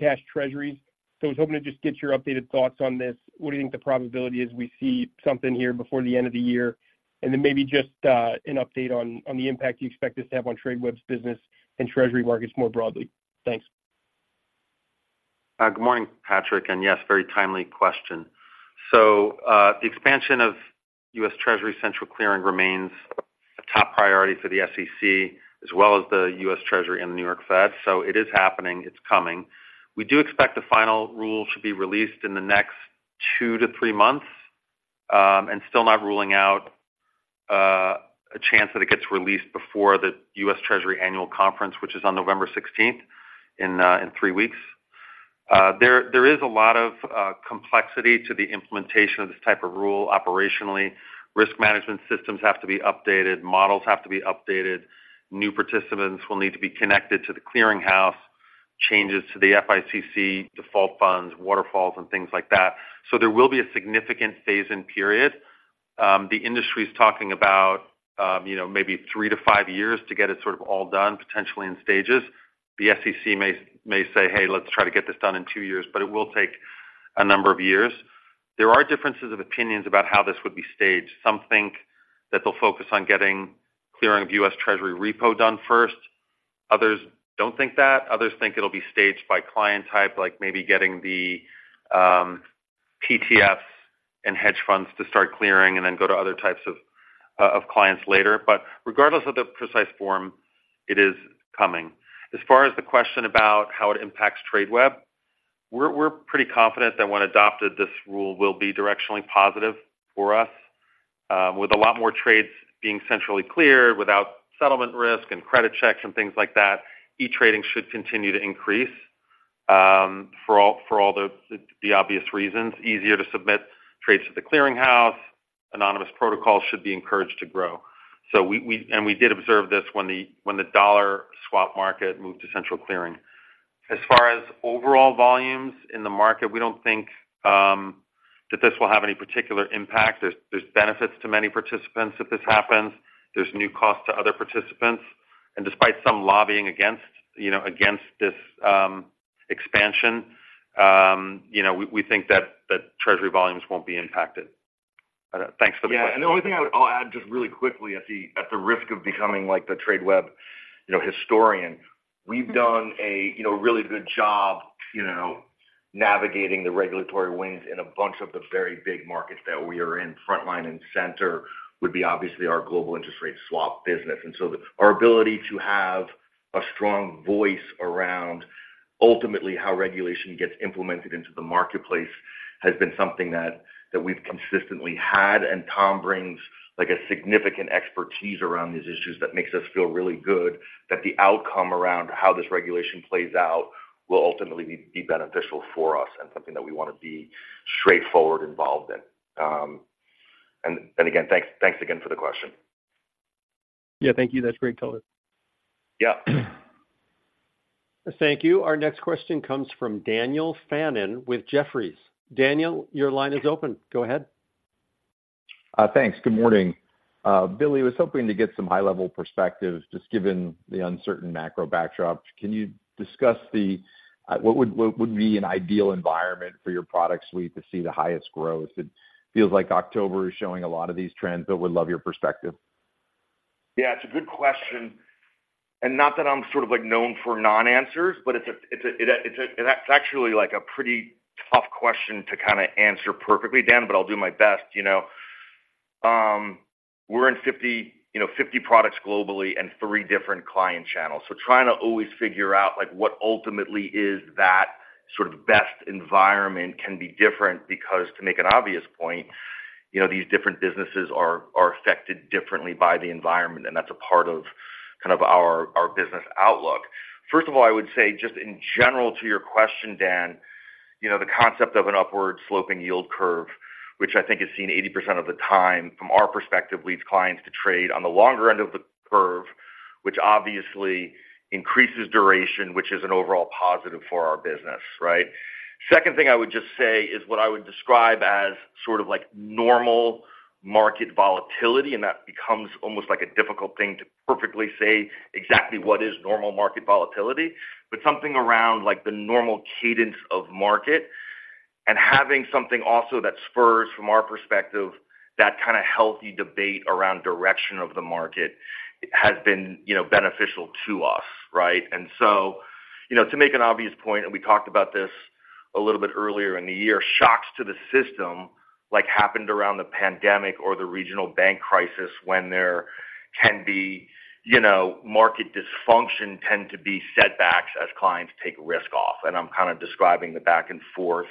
Speaker 9: cash Treasuries. So I was hoping to just get your updated thoughts on this. What do you think the probability is we see something here before the end of the year? And then maybe just, an update on, on the impact you expect this to have on Tradeweb's business and Treasury markets more broadly. Thanks.
Speaker 4: Good morning, Patrick. And yes, very timely question. So, the expansion of US Treasury Central Clearing remains a top priority for the SEC, as well as the US Treasury and the New York Fed. So it is happening, it's coming. We do expect the final rule should be released in the next two to three months, and still not ruling out, a chance that it gets released before the US Treasury annual conference, which is on November 16th, in three weeks. There is a lot of complexity to the implementation of this type of rule operationally. Risk management systems have to be updated, models have to be updated, new participants will need to be connected to the clearing house, changes to the FICC, default funds, waterfalls, and things like that. So there will be a significant phase-in period. The industry is talking about, you know, maybe three to five years to get it sort of all done, potentially in stages. The SEC may say, "Hey, let's try to get this done in two years," but it will take a number of years. There are differences of opinions about how this would be staged. Some think that they'll focus on getting clearing of US Treasury repo done first. Others don't think that. Others think it'll be staged by client type, like maybe getting the PTFs and hedge funds to start clearing and then go to other types of clients later. But regardless of the precise form, it is coming. As far as the question about how it impacts Tradeweb, we're pretty confident that when adopted, this rule will be directionally positive for us. With a lot more trades being centrally cleared, without settlement risk and credit checks and things like that, e-trading should continue to increase, for all the obvious reasons, easier to submit trades to the clearing house, anonymous protocols should be encouraged to grow. So we did observe this when the dollar swap market moved to central clearing. As far as overall volumes in the market, we don't think that this will have any particular impact. There's benefits to many participants if this happens. There's new costs to other participants. And despite some lobbying against, you know, against this expansion, you know, we think that treasury volumes won't be impacted. Thanks for the question.
Speaker 3: Yeah, and the only thing I would—I'll add just really quickly at the risk of becoming like the Tradeweb, you know, historian. We've done a, you know, really good job, you know, navigating the regulatory winds in a bunch of the very big markets that we are in. Front and center would be obviously our global interest rate swap business. And so our ability to have a strong voice around ultimately how regulation gets implemented into the marketplace has been something that we've consistently had, and Tom brings, like, a significant expertise around these issues that makes us feel really good that the outcome around how this regulation plays out will ultimately be beneficial for us and something that we wanna be straightforward involved in. And again, thanks again for the question.
Speaker 9: Yeah, thank you. That's great color.
Speaker 3: Yeah.
Speaker 1: Thank you. Our next question comes from Daniel Fannon with Jefferies. Daniel, your line is open. Go ahead.
Speaker 10: Thanks. Good morning. Billy, I was hoping to get some high-level perspective, just given the uncertain macro backdrop. Can you discuss what would be an ideal environment for your product suite to see the highest growth? It feels like October is showing a lot of these trends, but would love your perspective.
Speaker 3: Yeah, it's a good question, and not that I'm sort of, like, known for non-answers, but it's a-- that's actually, like, a pretty tough question to kinda answer perfectly, Dan, but I'll do my best, you know. We're in 50, you know, 50 products globally and three different client channels, so trying to always figure out, like, what ultimately is that sort of best environment can be different because to make an obvious point, you know, these different businesses are affected differently by the environment, and that's a part of kind of our business outlook. First of all, I would say, just in general to your question, Dan, you know, the concept of an upward-sloping yield curve, which I think is seen 80% of the time, from our perspective, leads clients to trade on the longer end of the curve, which obviously increases duration, which is an overall positive for our business, right? Second thing I would just say is what I would describe as sort of like normal market volatility, and that becomes almost like a difficult thing to perfectly say exactly what is normal market volatility, but something around like the normal cadence of market. And having something also that spurs, from our perspective, that kind of healthy debate around direction of the market has been, you know, beneficial to us, right? And so, you know, to make an obvious point, and we talked about this a little bit earlier in the year, shocks to the system, like happened around the pandemic or the regional bank crisis, when there can be, you know, market dysfunction, tend to be setbacks as clients take risk off, and I'm kind of describing the back and forth,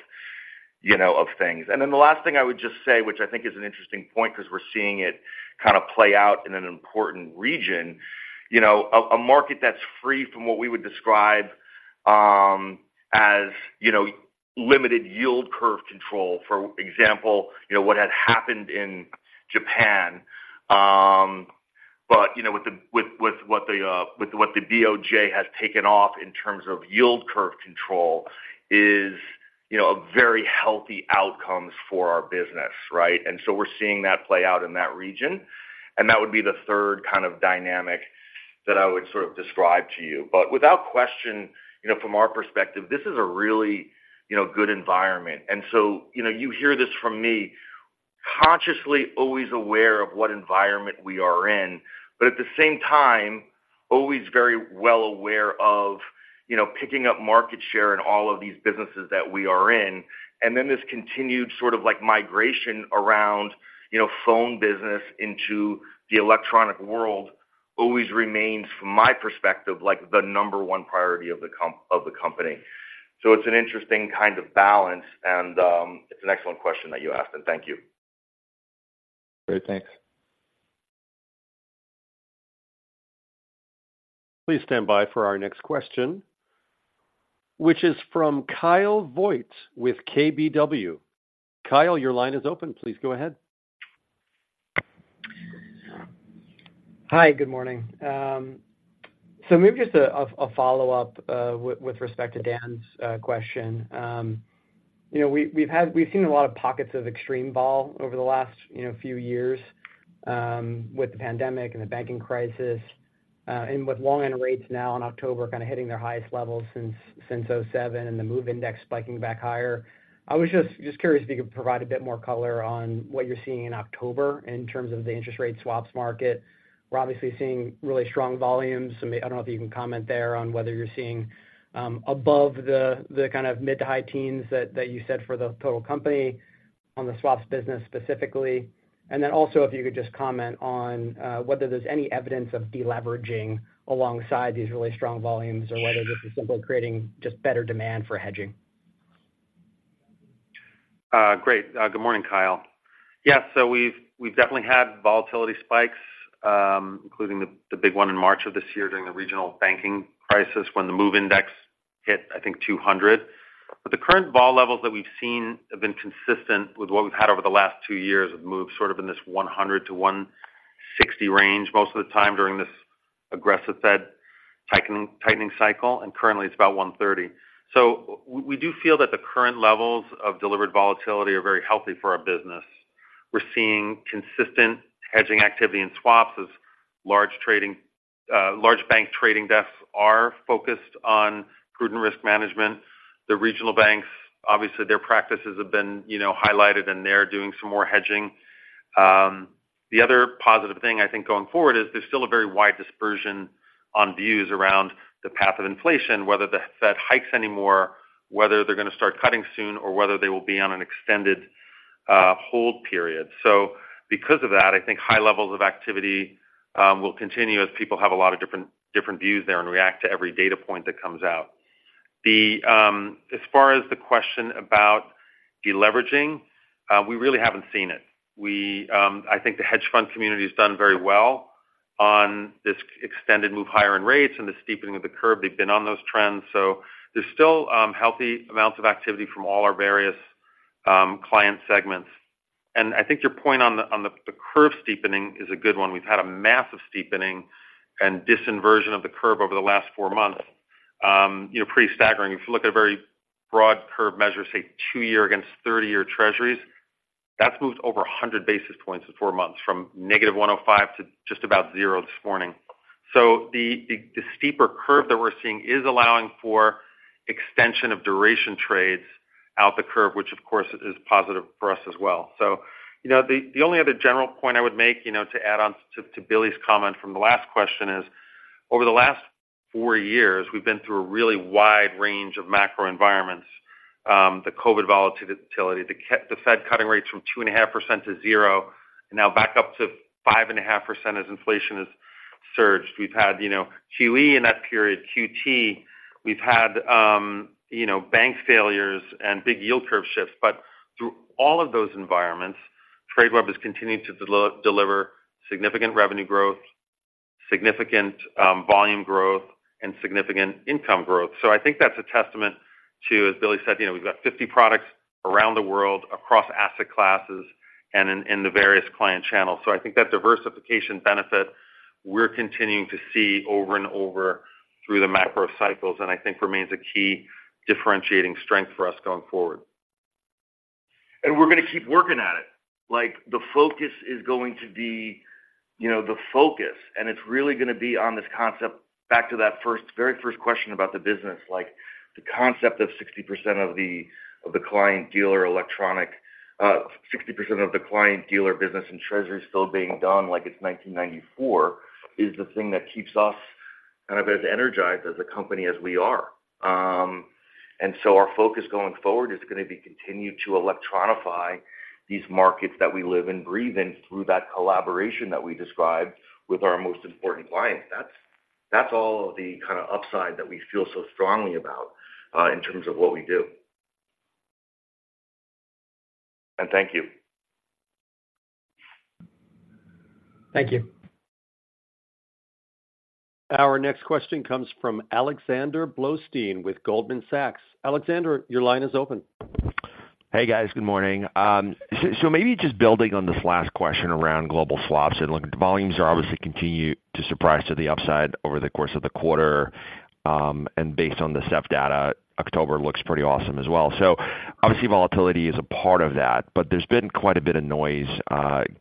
Speaker 3: you know, of things. And then the last thing I would just say, which I think is an interesting point because we're seeing it kind of play out in an important region, you know, a market that's free from what we would describe as, you know, limited yield curve control, for example, you know, what had happened in Japan. But, you know, with what the BOJ has taken off in terms of yield curve control is, you know, a very healthy outcome for our business, right? And so we're seeing that play out in that region, and that would be the third kind of dynamic that I would sort of describe to you. But without question, you know, from our perspective, this is a really, you know, good environment. And so, you know, you hear this from me, consciously, always aware of what environment we are in, but at the same time, always very well aware of, you know, picking up market share in all of these businesses that we are in. And then this continued sort of, like, migration around, you know, phone business into the electronic world always remains, from my perspective, like, the number one priority of the company. So it's an interesting kind of balance, and it's an excellent question that you asked, and thank you.
Speaker 10: Great. Thanks.
Speaker 1: Please stand by for our next question, which is from Kyle Voigt with KBW. Kyle, your line is open. Please go ahead.
Speaker 11: Hi, good morning. So maybe just a follow-up with respect to Dan's question. You know, we've seen a lot of pockets of extreme vol over the last few years with the pandemic and the banking crisis and with long-end rates now in October kind of hitting their highest levels since 2007, and the MOVE Index spiking back higher. I was just curious if you could provide a bit more color on what you're seeing in October in terms of the interest rate swaps market. We're obviously seeing really strong volumes. I don't know if you can comment there on whether you're seeing above the kind of mid- to high-teens that you said for the total company on the swaps business specifically. If you could just comment on whether there's any evidence of deleveraging alongside these really strong volumes or whether this is simply creating just better demand for hedging.
Speaker 4: Great. Good morning, Kyle. Yeah, so we've definitely had volatility spikes, including the big one in March of this year during the regional banking crisis, when the MOVE Index hit, I think, 200. But the current vol levels that we've seen have been consistent with what we've had over the last two years, have moved sort of in this 100-160 range most of the time during this aggressive Fed-... tightening, tightening cycle, and currently it's about 130. So we do feel that the current levels of delivered volatility are very healthy for our business. We're seeing consistent hedging activity in swaps as large trading, large bank trading desks are focused on prudent risk management. The regional banks, obviously, their practices have been, you know, highlighted, and they're doing some more hedging. The other positive thing, I think, going forward is there's still a very wide dispersion on views around the path of inflation, whether the Fed hikes anymore, whether they're gonna start cutting soon, or whether they will be on an extended, hold period. So because of that, I think high levels of activity, will continue as people have a lot of different, different views there and react to every data point that comes out. As far as the question about deleveraging, we really haven't seen it. We, I think the hedge fund community has done very well on this extended move higher in rates and the steepening of the curve. They've been on those trends, so there's still, healthy amounts of activity from all our various, client segments. And I think your point on the, on the, the curve steepening is a good one. We've had a massive steepening and disinversion of the curve over the last four months. You know, pretty staggering. If you look at a very broad curve measure, say, two-year against thirty-year Treasuries, that's moved over 100 basis points in four months, from -105 to just about zero this morning. So the steeper curve that we're seeing is allowing for extension of duration trades out the curve, which, of course, is positive for us as well. So, you know, the only other general point I would make, you know, to add on to Billy's comment from the last question is, over the last four years, we've been through a really wide range of macro environments. The COVID volatility, the Fed cutting rates from 2.5% to 0, and now back up to 5.5% as inflation has surged. We've had, you know, QE in that period, QT. We've had, you know, bank failures and big yield curve shifts. But through all of those environments, Tradeweb has continued to deliver significant revenue growth, significant volume growth, and significant income growth. So I think that's a testament to, as Billy said, you know, we've got 50 products around the world, across asset classes and in, in the various client channels. So I think that diversification benefit, we're continuing to see over and over through the macro cycles, and I think remains a key differentiating strength for us going forward.
Speaker 3: And we're gonna keep working at it, like, the focus is going to be, you know, the focus, and it's really gonna be on this concept, back to that first, very first question about the business. Like, the concept of 60% of the, of the client dealer electronic, 60% of the client dealer business and Treasury still being done like it's 1994, is the thing that keeps us kind of as energized as a company as we are. And so our focus going forward is gonna be continued to electronify these markets that we live and breathe in through that collaboration that we described with our most important clients. That's all of the kinda upside that we feel so strongly about, in terms of what we do. Thank you.
Speaker 9: Thank you.
Speaker 1: Our next question comes from Alexander Blostein with Goldman Sachs. Alexander, your line is open.
Speaker 12: Hey, guys. Good morning. So, so maybe just building on this last question around global swaps, and look, the volumes are obviously continue to surprise to the upside over the course of the quarter. And based on the SEF data, October looks pretty awesome as well. So obviously, volatility is a part of that, but there's been quite a bit of noise,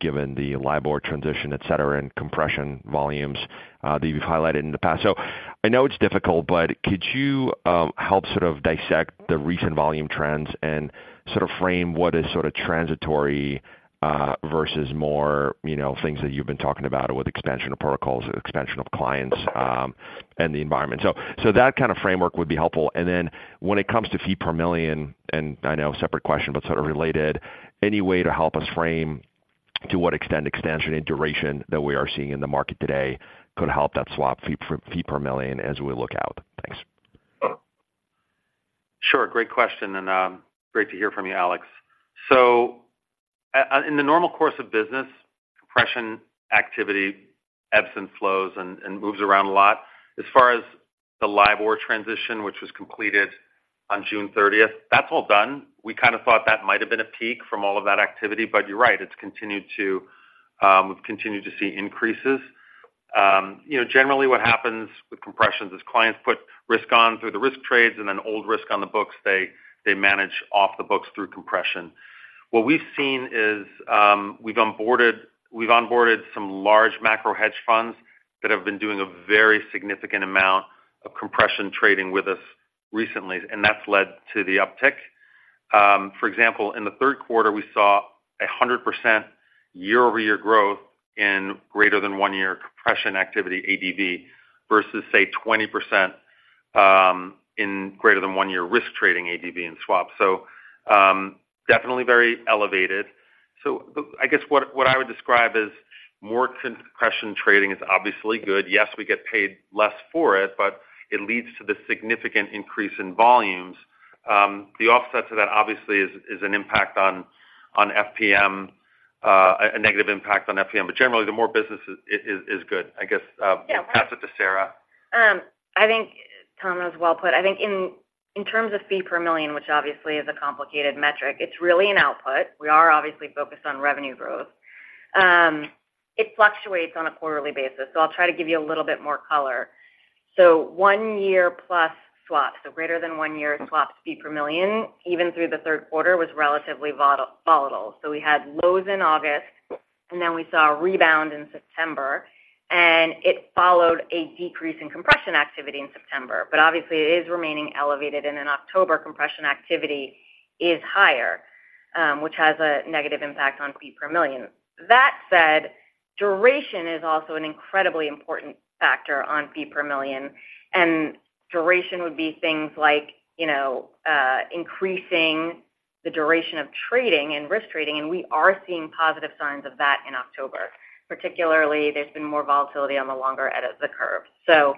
Speaker 12: given the LIBOR transition, etc, and compression volumes, that you've highlighted in the past. So I know it's difficult, but could you help sort of dissect the recent volume trends and sort of frame what is sort of transitory, versus more, you know, things that you've been talking about with expansion of protocols, expansion of clients, and the environment? So, so that kind of framework would be helpful. Then when it comes to fee per million, and I know, separate question, but sort of related, any way to help us frame to what extent expansion and duration that we are seeing in the market today could help that swap fee per million as we look out? Thanks.
Speaker 4: Sure. Great question, and great to hear from you, Alex. So in the normal course of business, compression activity ebbs and flows and, and moves around a lot. As far as the LIBOR transition, which was completed on June thirtieth, that's all done. We kind of thought that might have been a peak from all of that activity, but you're right, it's continued to, we've continued to see increases. You know, generally, what happens with compressions is clients put risk on through the risk trades, and then old risk on the books, they, they manage off the books through compression. What we've seen is, we've onboarded, we've onboarded some large macro hedge funds that have been doing a very significant amount of compression trading with us recently, and that's led to the uptick. For example, in the third quarter, we saw 100% year-over-year growth in greater than one year compression activity, ADV, versus, say, 20%, in greater than one year risk trading ADV in swaps. So, definitely very elevated. So the... I guess what I would describe as more compression trading is obviously good. Yes, we get paid less for it, but it leads to the significant increase in volumes. The offset to that, obviously, is an impact on FPM, a negative impact on FPM. But generally, the more business is good, I guess. I'll pass it to Sara.
Speaker 5: I think, Tom, that was well put. I think in terms of fee per million, which obviously is a complicated metric, it's really an output. We are obviously focused on revenue growth. It fluctuates on a quarterly basis, so I'll try to give you a little bit more color. So one-year-plus swaps, so greater than one-year swap fee per million, even through the third quarter, was relatively volatile. So we had lows in August, and then we saw a rebound in September, and it followed a decrease in compression activity in September. But obviously, it is remaining elevated, and in October, compression activity is higher, which has a negative impact on fee per million. That said, duration is also an incredibly important factor on fee per million, and duration would be things like, you know, increasing the duration of trading and risk trading, and we are seeing positive signs of that in October. Particularly, there's been more volatility on the longer edge of the curve. So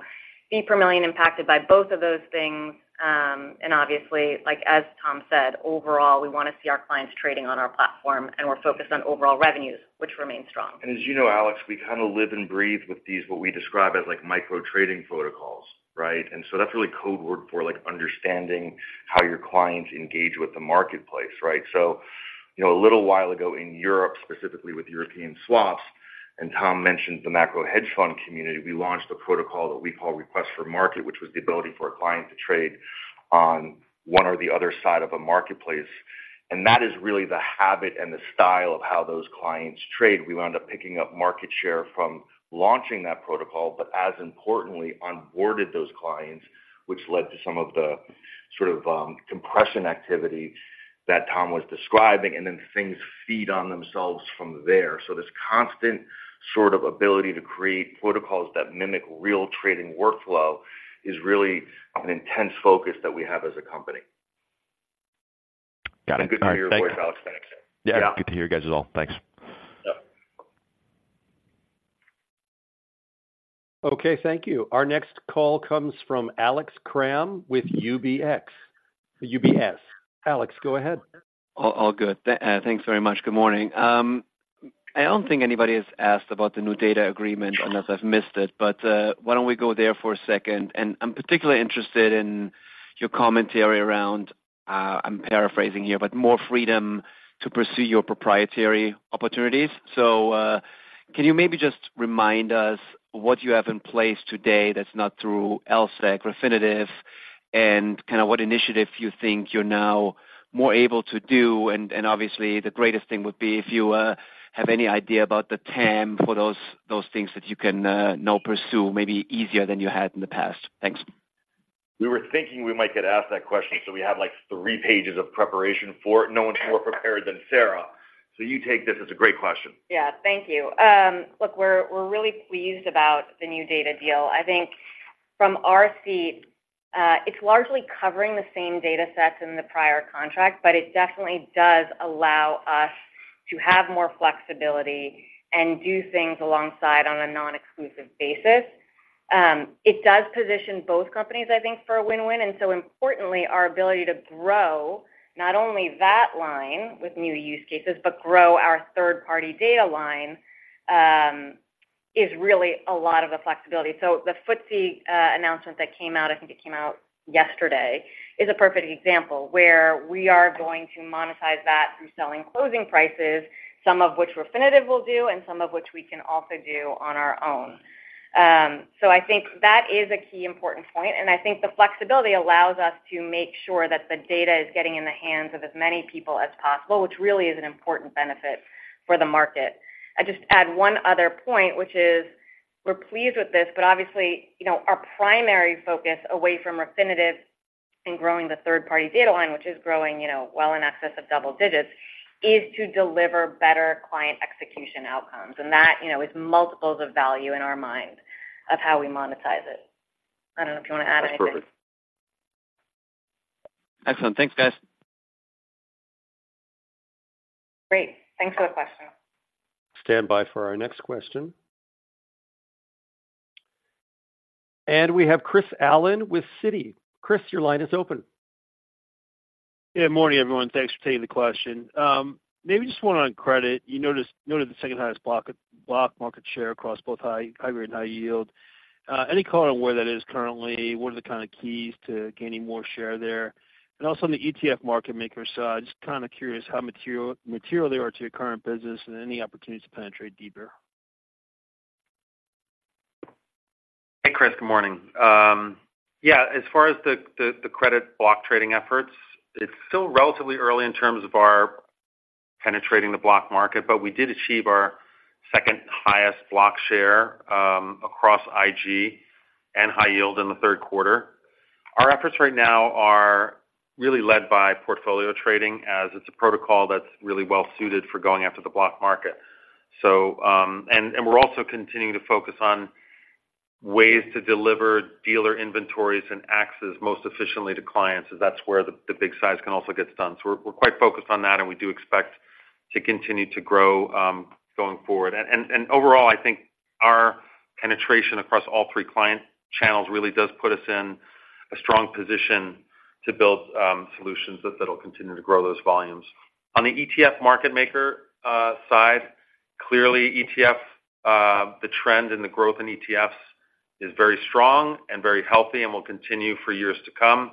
Speaker 5: fee per million impacted by both of those things, and obviously, like as Tom said, overall, we want to see our clients trading on our platform, and we're focused on overall revenues, which remain strong.
Speaker 3: As you know, Alex, we kind of live and breathe with these, what we describe as, like, micro trading protocols, right? So that's really code word for, like, understanding how your clients engage with the marketplace, right? You know, a little while ago in Europe, specifically with European swaps, and Tom mentioned the macro hedge fund community, we launched a protocol that we call Request for Market, which was the ability for a client to trade on one or the other side of a marketplace. That is really the habit and the style of how those clients trade. We wound up picking up market share from launching that protocol, but as importantly, onboarded those clients, which led to some of the sort of, compression activity that Tom was describing, and then things feed on themselves from there. This constant sort of ability to create protocols that mimic real trading workflow is really an intense focus that we have as a company.
Speaker 8: Yeah, good to hear you guys as well. Thanks.
Speaker 4: Yep.
Speaker 1: Okay, thank you. Our next call comes from Alex Kramm with UBS. Alex, go ahead.
Speaker 13: All, all good. Thanks very much. Good morning. I don't think anybody has asked about the new data agreement, unless I've missed it, but why don't we go there for a second? And I'm particularly interested in your commentary around, I'm paraphrasing here, but more freedom to pursue your proprietary opportunities. So, can you maybe just remind us what you have in place today that's not through LSEG, Refinitiv, and kind of what initiative you think you're now more able to do? And obviously, the greatest thing would be if you have any idea about the TAM for those, those things that you can now pursue, maybe easier than you had in the past. Thanks.
Speaker 3: We were thinking we might get asked that question, so we have, like, three pages of preparation for it. No one's more prepared than Sara, so you take this. It's a great question.
Speaker 5: Yeah. Thank you. Look, we're, we're really pleased about the new data deal. I think from our seat, it's largely covering the same datasets in the prior contract, but it definitely does allow us to have more flexibility and do things alongside on a non-exclusive basis. It does position both companies, I think, for a win-win, and so importantly, our ability to grow not only that line with new use cases, but grow our third-party data line, is really a lot of the flexibility. So the FTSE announcement that came out, I think it came out yesterday, is a perfect example where we are going to monetize that through selling closing prices, some of which Refinitiv will do and some of which we can also do on our own. So, I think that is a key important point, and I think the flexibility allows us to make sure that the data is getting in the hands of as many people as possible, which really is an important benefit for the market. I'd just add one other point, which is we're pleased with this, but obviously, you know, our primary focus away from Refinitiv and growing the third-party data line, which is growing, you know, well in excess of double digits, is to deliver better client execution outcomes. And that, you know, is multiples of value in our mind of how we monetize it. I don't know if you want to add anything.
Speaker 3: That's perfect.
Speaker 13: Excellent. Thanks, guys.
Speaker 5: Great. Thanks for the question.
Speaker 1: Stand by for our next question. And we have Chris Allen with Citi. Chris, your line is open.
Speaker 14: Yeah, morning, everyone. Thanks for taking the question. Maybe just one on credit. You noticed... Noted the second highest block market share across both high-grade and High Yield. Any color on where that is currently? What are the kind of keys to gaining more share there? And also on the ETF market maker side, just kind of curious how material they are to your current business and any opportunities to penetrate deeper.
Speaker 4: Hey, Chris, good morning. Yeah, as far as the credit block trading efforts, it's still relatively early in terms of our penetrating the block market, but we did achieve our second highest block share across IG and High Yield in the third quarter. Our efforts right now are really led by Portfolio Trading, as it's a protocol that's really well suited for going after the block market. So... And we're also continuing to focus on ways to deliver dealer inventories and access most efficiently to clients, as that's where the big size can also get done. So we're quite focused on that, and we do expect to continue to grow going forward. Overall, I think our penetration across all three client channels really does put us in a strong position to build solutions that'll continue to grow those volumes. On the ETF market maker side, clearly, ETF, the trend in the growth in ETFs is very strong and very healthy and will continue for years to come,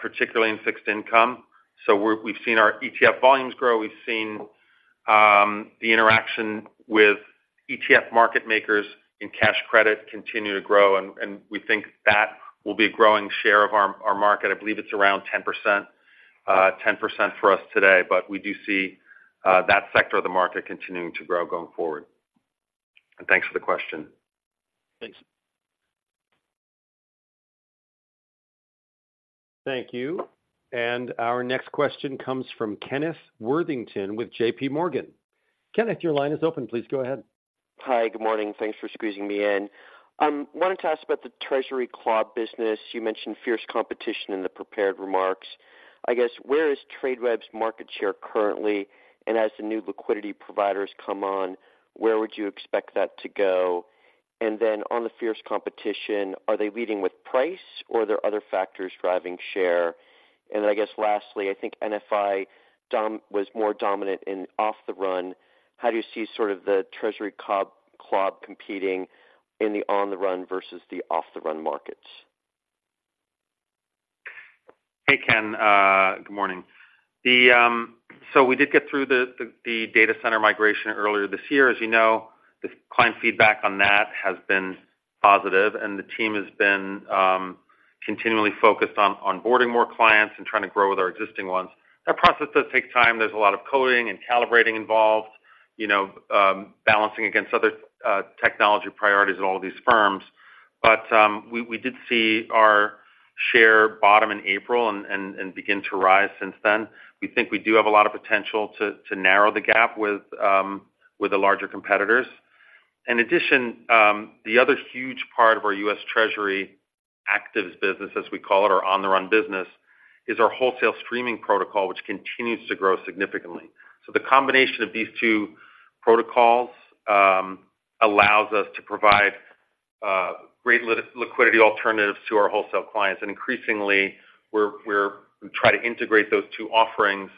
Speaker 4: particularly in fixed income. So we've seen our ETF volumes grow. We've seen the interaction with ETF market makers in cash credit continue to grow, and we think that will be a growing share of our market. I believe it's around 10%, 10% for us today, but we do see that sector of the market continuing to grow going forward. And thanks for the question.
Speaker 14: Thanks.
Speaker 1: Thank you. Our next question comes from Kenneth Worthington with JPMorgan. Kenneth, your line is open. Please go ahead.
Speaker 15: Hi, good morning. Thanks for squeezing me in. Wanted to ask about the Treasury CLOB business. You mentioned fierce competition in the prepared remarks. I guess, where is Tradeweb's market share currently? And as the new liquidity providers come on, where would you expect that to go? And then on the fierce competition, are they leading with price, or are there other factors driving share? And I guess lastly, I think NFI was more dominant in off-the-run. How do you see sort of the Treasury CLOB competing in the on-the-run versus the off-the-run markets?
Speaker 4: Hey, Ken. Good morning. So we did get through the data center migration earlier this year. As you know, the client feedback on that has been positive, and the team has been continually focused on onboarding more clients and trying to grow with our existing ones. That process does take time. There's a lot of coding and calibrating involved, you know, balancing against other technology priorities at all of these firms. But we did see our share bottom in April and begin to rise since then. We think we do have a lot of potential to narrow the gap with the larger competitors. In addition, the other huge part of our U.S. Treasury actives business, as we call it, our on-the-run business, is our wholesale streaming protocol, which continues to grow significantly. So the combination of these two protocols allows us to provide great liquidity alternatives to our wholesale clients. And increasingly, we're trying to integrate those two offerings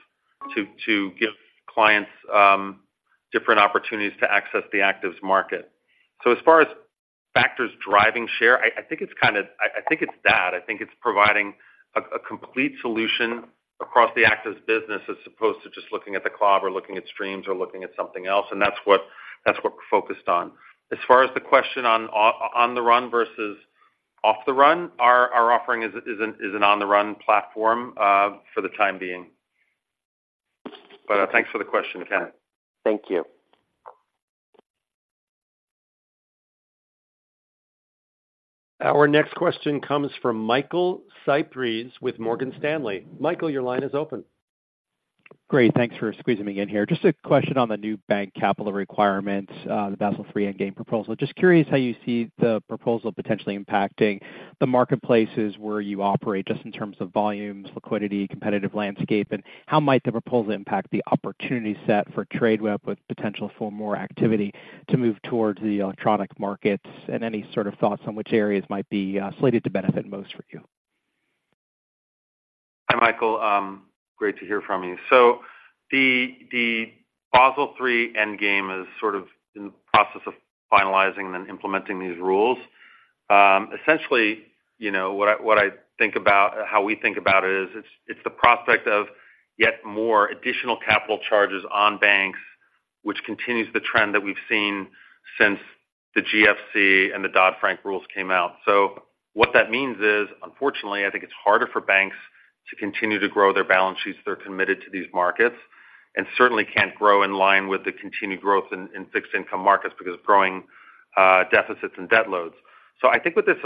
Speaker 4: to give clients different opportunities to access the actives market. So as far as factors driving share, I think it's kind of... I think it's that. I think it's providing a complete solution across the actives business, as opposed to just looking at the CLOB or looking at streams or looking at something else, and that's what we're focused on. As far as the question on on-the-run versus off-the-run, our offering is an on-the-run platform for the time being. But thanks for the question, Ken.
Speaker 15: Thank you.
Speaker 1: Our next question comes from Michael Cyprys with Morgan Stanley. Michael, your line is open.
Speaker 16: Great, thanks for squeezing me in here. Just a question on the new bank capital requirements, the Basel III Endgame proposal. Just curious how you see the proposal potentially impacting the marketplaces where you operate, just in terms of volumes, liquidity, competitive landscape, and how might the proposal impact the opportunity set for Tradeweb with potential for more activity to move towards the electronic markets? And any sort of thoughts on which areas might be slated to benefit most for you.
Speaker 4: Hi, Michael, great to hear from you. So the Basel III Endgame is sort of in the process of finalizing and implementing these rules. Essentially, you know, what I think about, how we think about it is, it's the prospect of yet more additional capital charges on banks, which continues the trend that we've seen since the GFC and the Dodd-Frank rules came out. So what that means is, unfortunately, I think it's harder for banks to continue to grow their balance sheets that are committed to these markets, and certainly can't grow in line with the continued growth in fixed income markets because of growing deficits and debt loads. So I think what this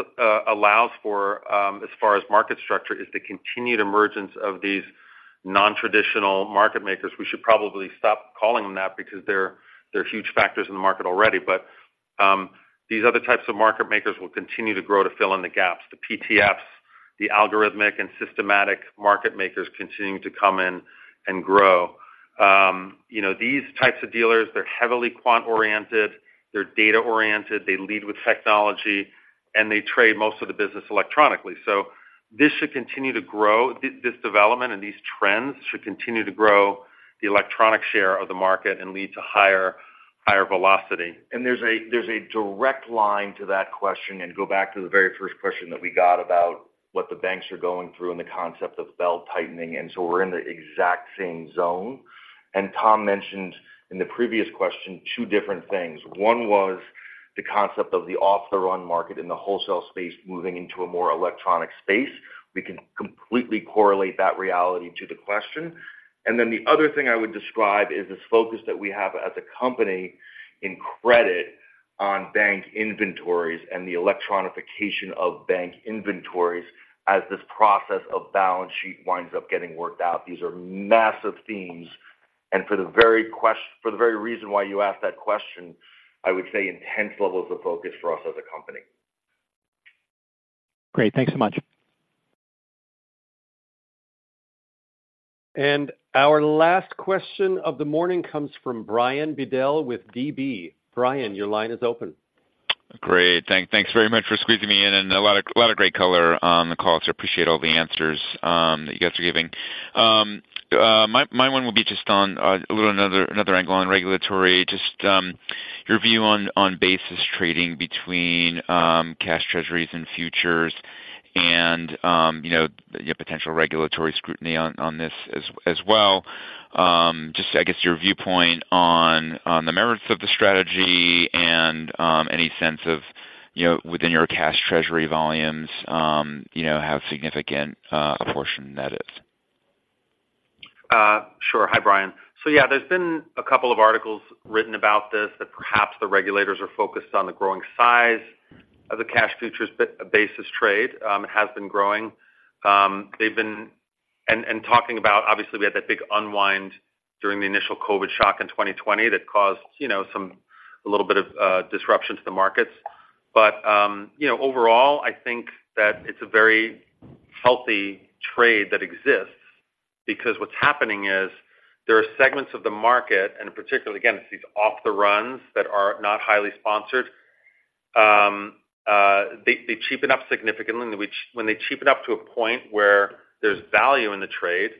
Speaker 4: allows for, as far as market structure, is the continued emergence of these non-traditional market makers. We should probably stop calling them that because they're, they're huge factors in the market already. But, these other types of market makers will continue to grow to fill in the gaps, the PTFs, the algorithmic and systematic market makers continuing to come in and grow. You know, these types of dealers, they're heavily quant-oriented, they're data-oriented, they lead with technology, and they trade most of the business electronically. So this should continue to grow. This development and these trends should continue to grow the electronic share of the market and lead to higher, higher velocity.
Speaker 3: And there's a direct line to that question, and go back to the very first question that we got about what the banks are going through and the concept of belt-tightening, and so we're in the exact same zone. And Tom mentioned in the previous question, two different things. One was the concept of the off-the-run market in the wholesale space, moving into a more electronic space. We can completely correlate that reality to the question. And then the other thing I would describe is this focus that we have as a company in credit on bank inventories and the electronification of bank inventories as this process of balance sheet winds up getting worked out. These are massive themes, and for the very reason why you asked that question, I would say intense levels of focus for us as a company.
Speaker 16: Great. Thanks so much.
Speaker 1: Our last question of the morning comes from Brian Bedell with DB. Brian, your line is open....
Speaker 17: Great. Thanks very much for squeezing me in, and a lot of, a lot of great color on the call, so appreciate all the answers that you guys are giving. My one will be just on a little another, another angle on regulatory. Just your view on basis trading between cash Treasuries and futures and you know, your potential regulatory scrutiny on this as well. Just, I guess, your viewpoint on the merits of the strategy and any sense of, you know, within your cash treasury volumes, you know, how significant a portion that is?
Speaker 4: Sure. Hi, Brian. So yeah, there's been a couple of articles written about this, that perhaps the regulators are focused on the growing size of the cash futures basis trade, it has been growing. They've been talking about obviously, we had that big unwind during the initial COVID shock in 2020, that caused, you know, some, a little bit of, disruption to the markets. But, you know, overall, I think that it's a very healthy trade that exists because what's happening is there are segments of the market, and in particular, again, it's these off-the-runs that are not highly sponsored. They cheapen up significantly, which when they cheapen up to a point where there's value in the trade,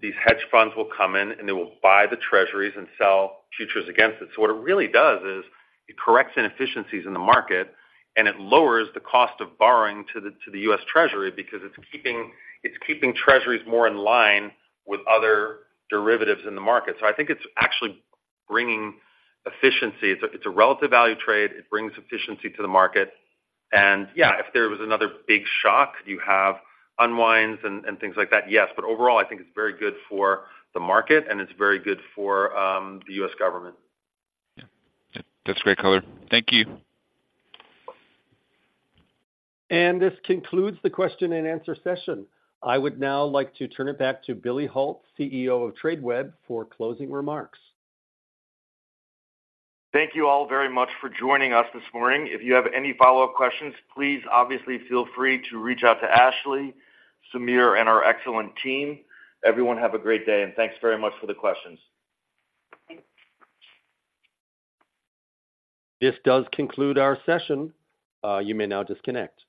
Speaker 4: these hedge funds will come in, and they will buy the Treasuries and sell futures against it. So what it really does is, it corrects inefficiencies in the market, and it lowers the cost of borrowing to the, to the U.S. Treasury because it's keeping, it's keeping Treasuries more in line with other derivatives in the market. So I think it's actually bringing efficiency. It's a, it's a relative value trade. It brings efficiency to the market. And yeah, if there was another big shock, you have unwinds and, and things like that, yes. But overall, I think it's very good for the market, and it's very good for the U.S. government.
Speaker 17: Yeah. That's great color. Thank you.
Speaker 1: This concludes the question and answer session. I would now like to turn it back to Billy Hult, CEO of Tradeweb, for closing remarks.
Speaker 3: Thank you all very much for joining us this morning. If you have any follow-up questions, please obviously feel free to reach out to Ashley, Sameer, and our excellent team. Everyone, have a great day, and thanks very much for the questions.
Speaker 1: This does conclude our session. You may now disconnect.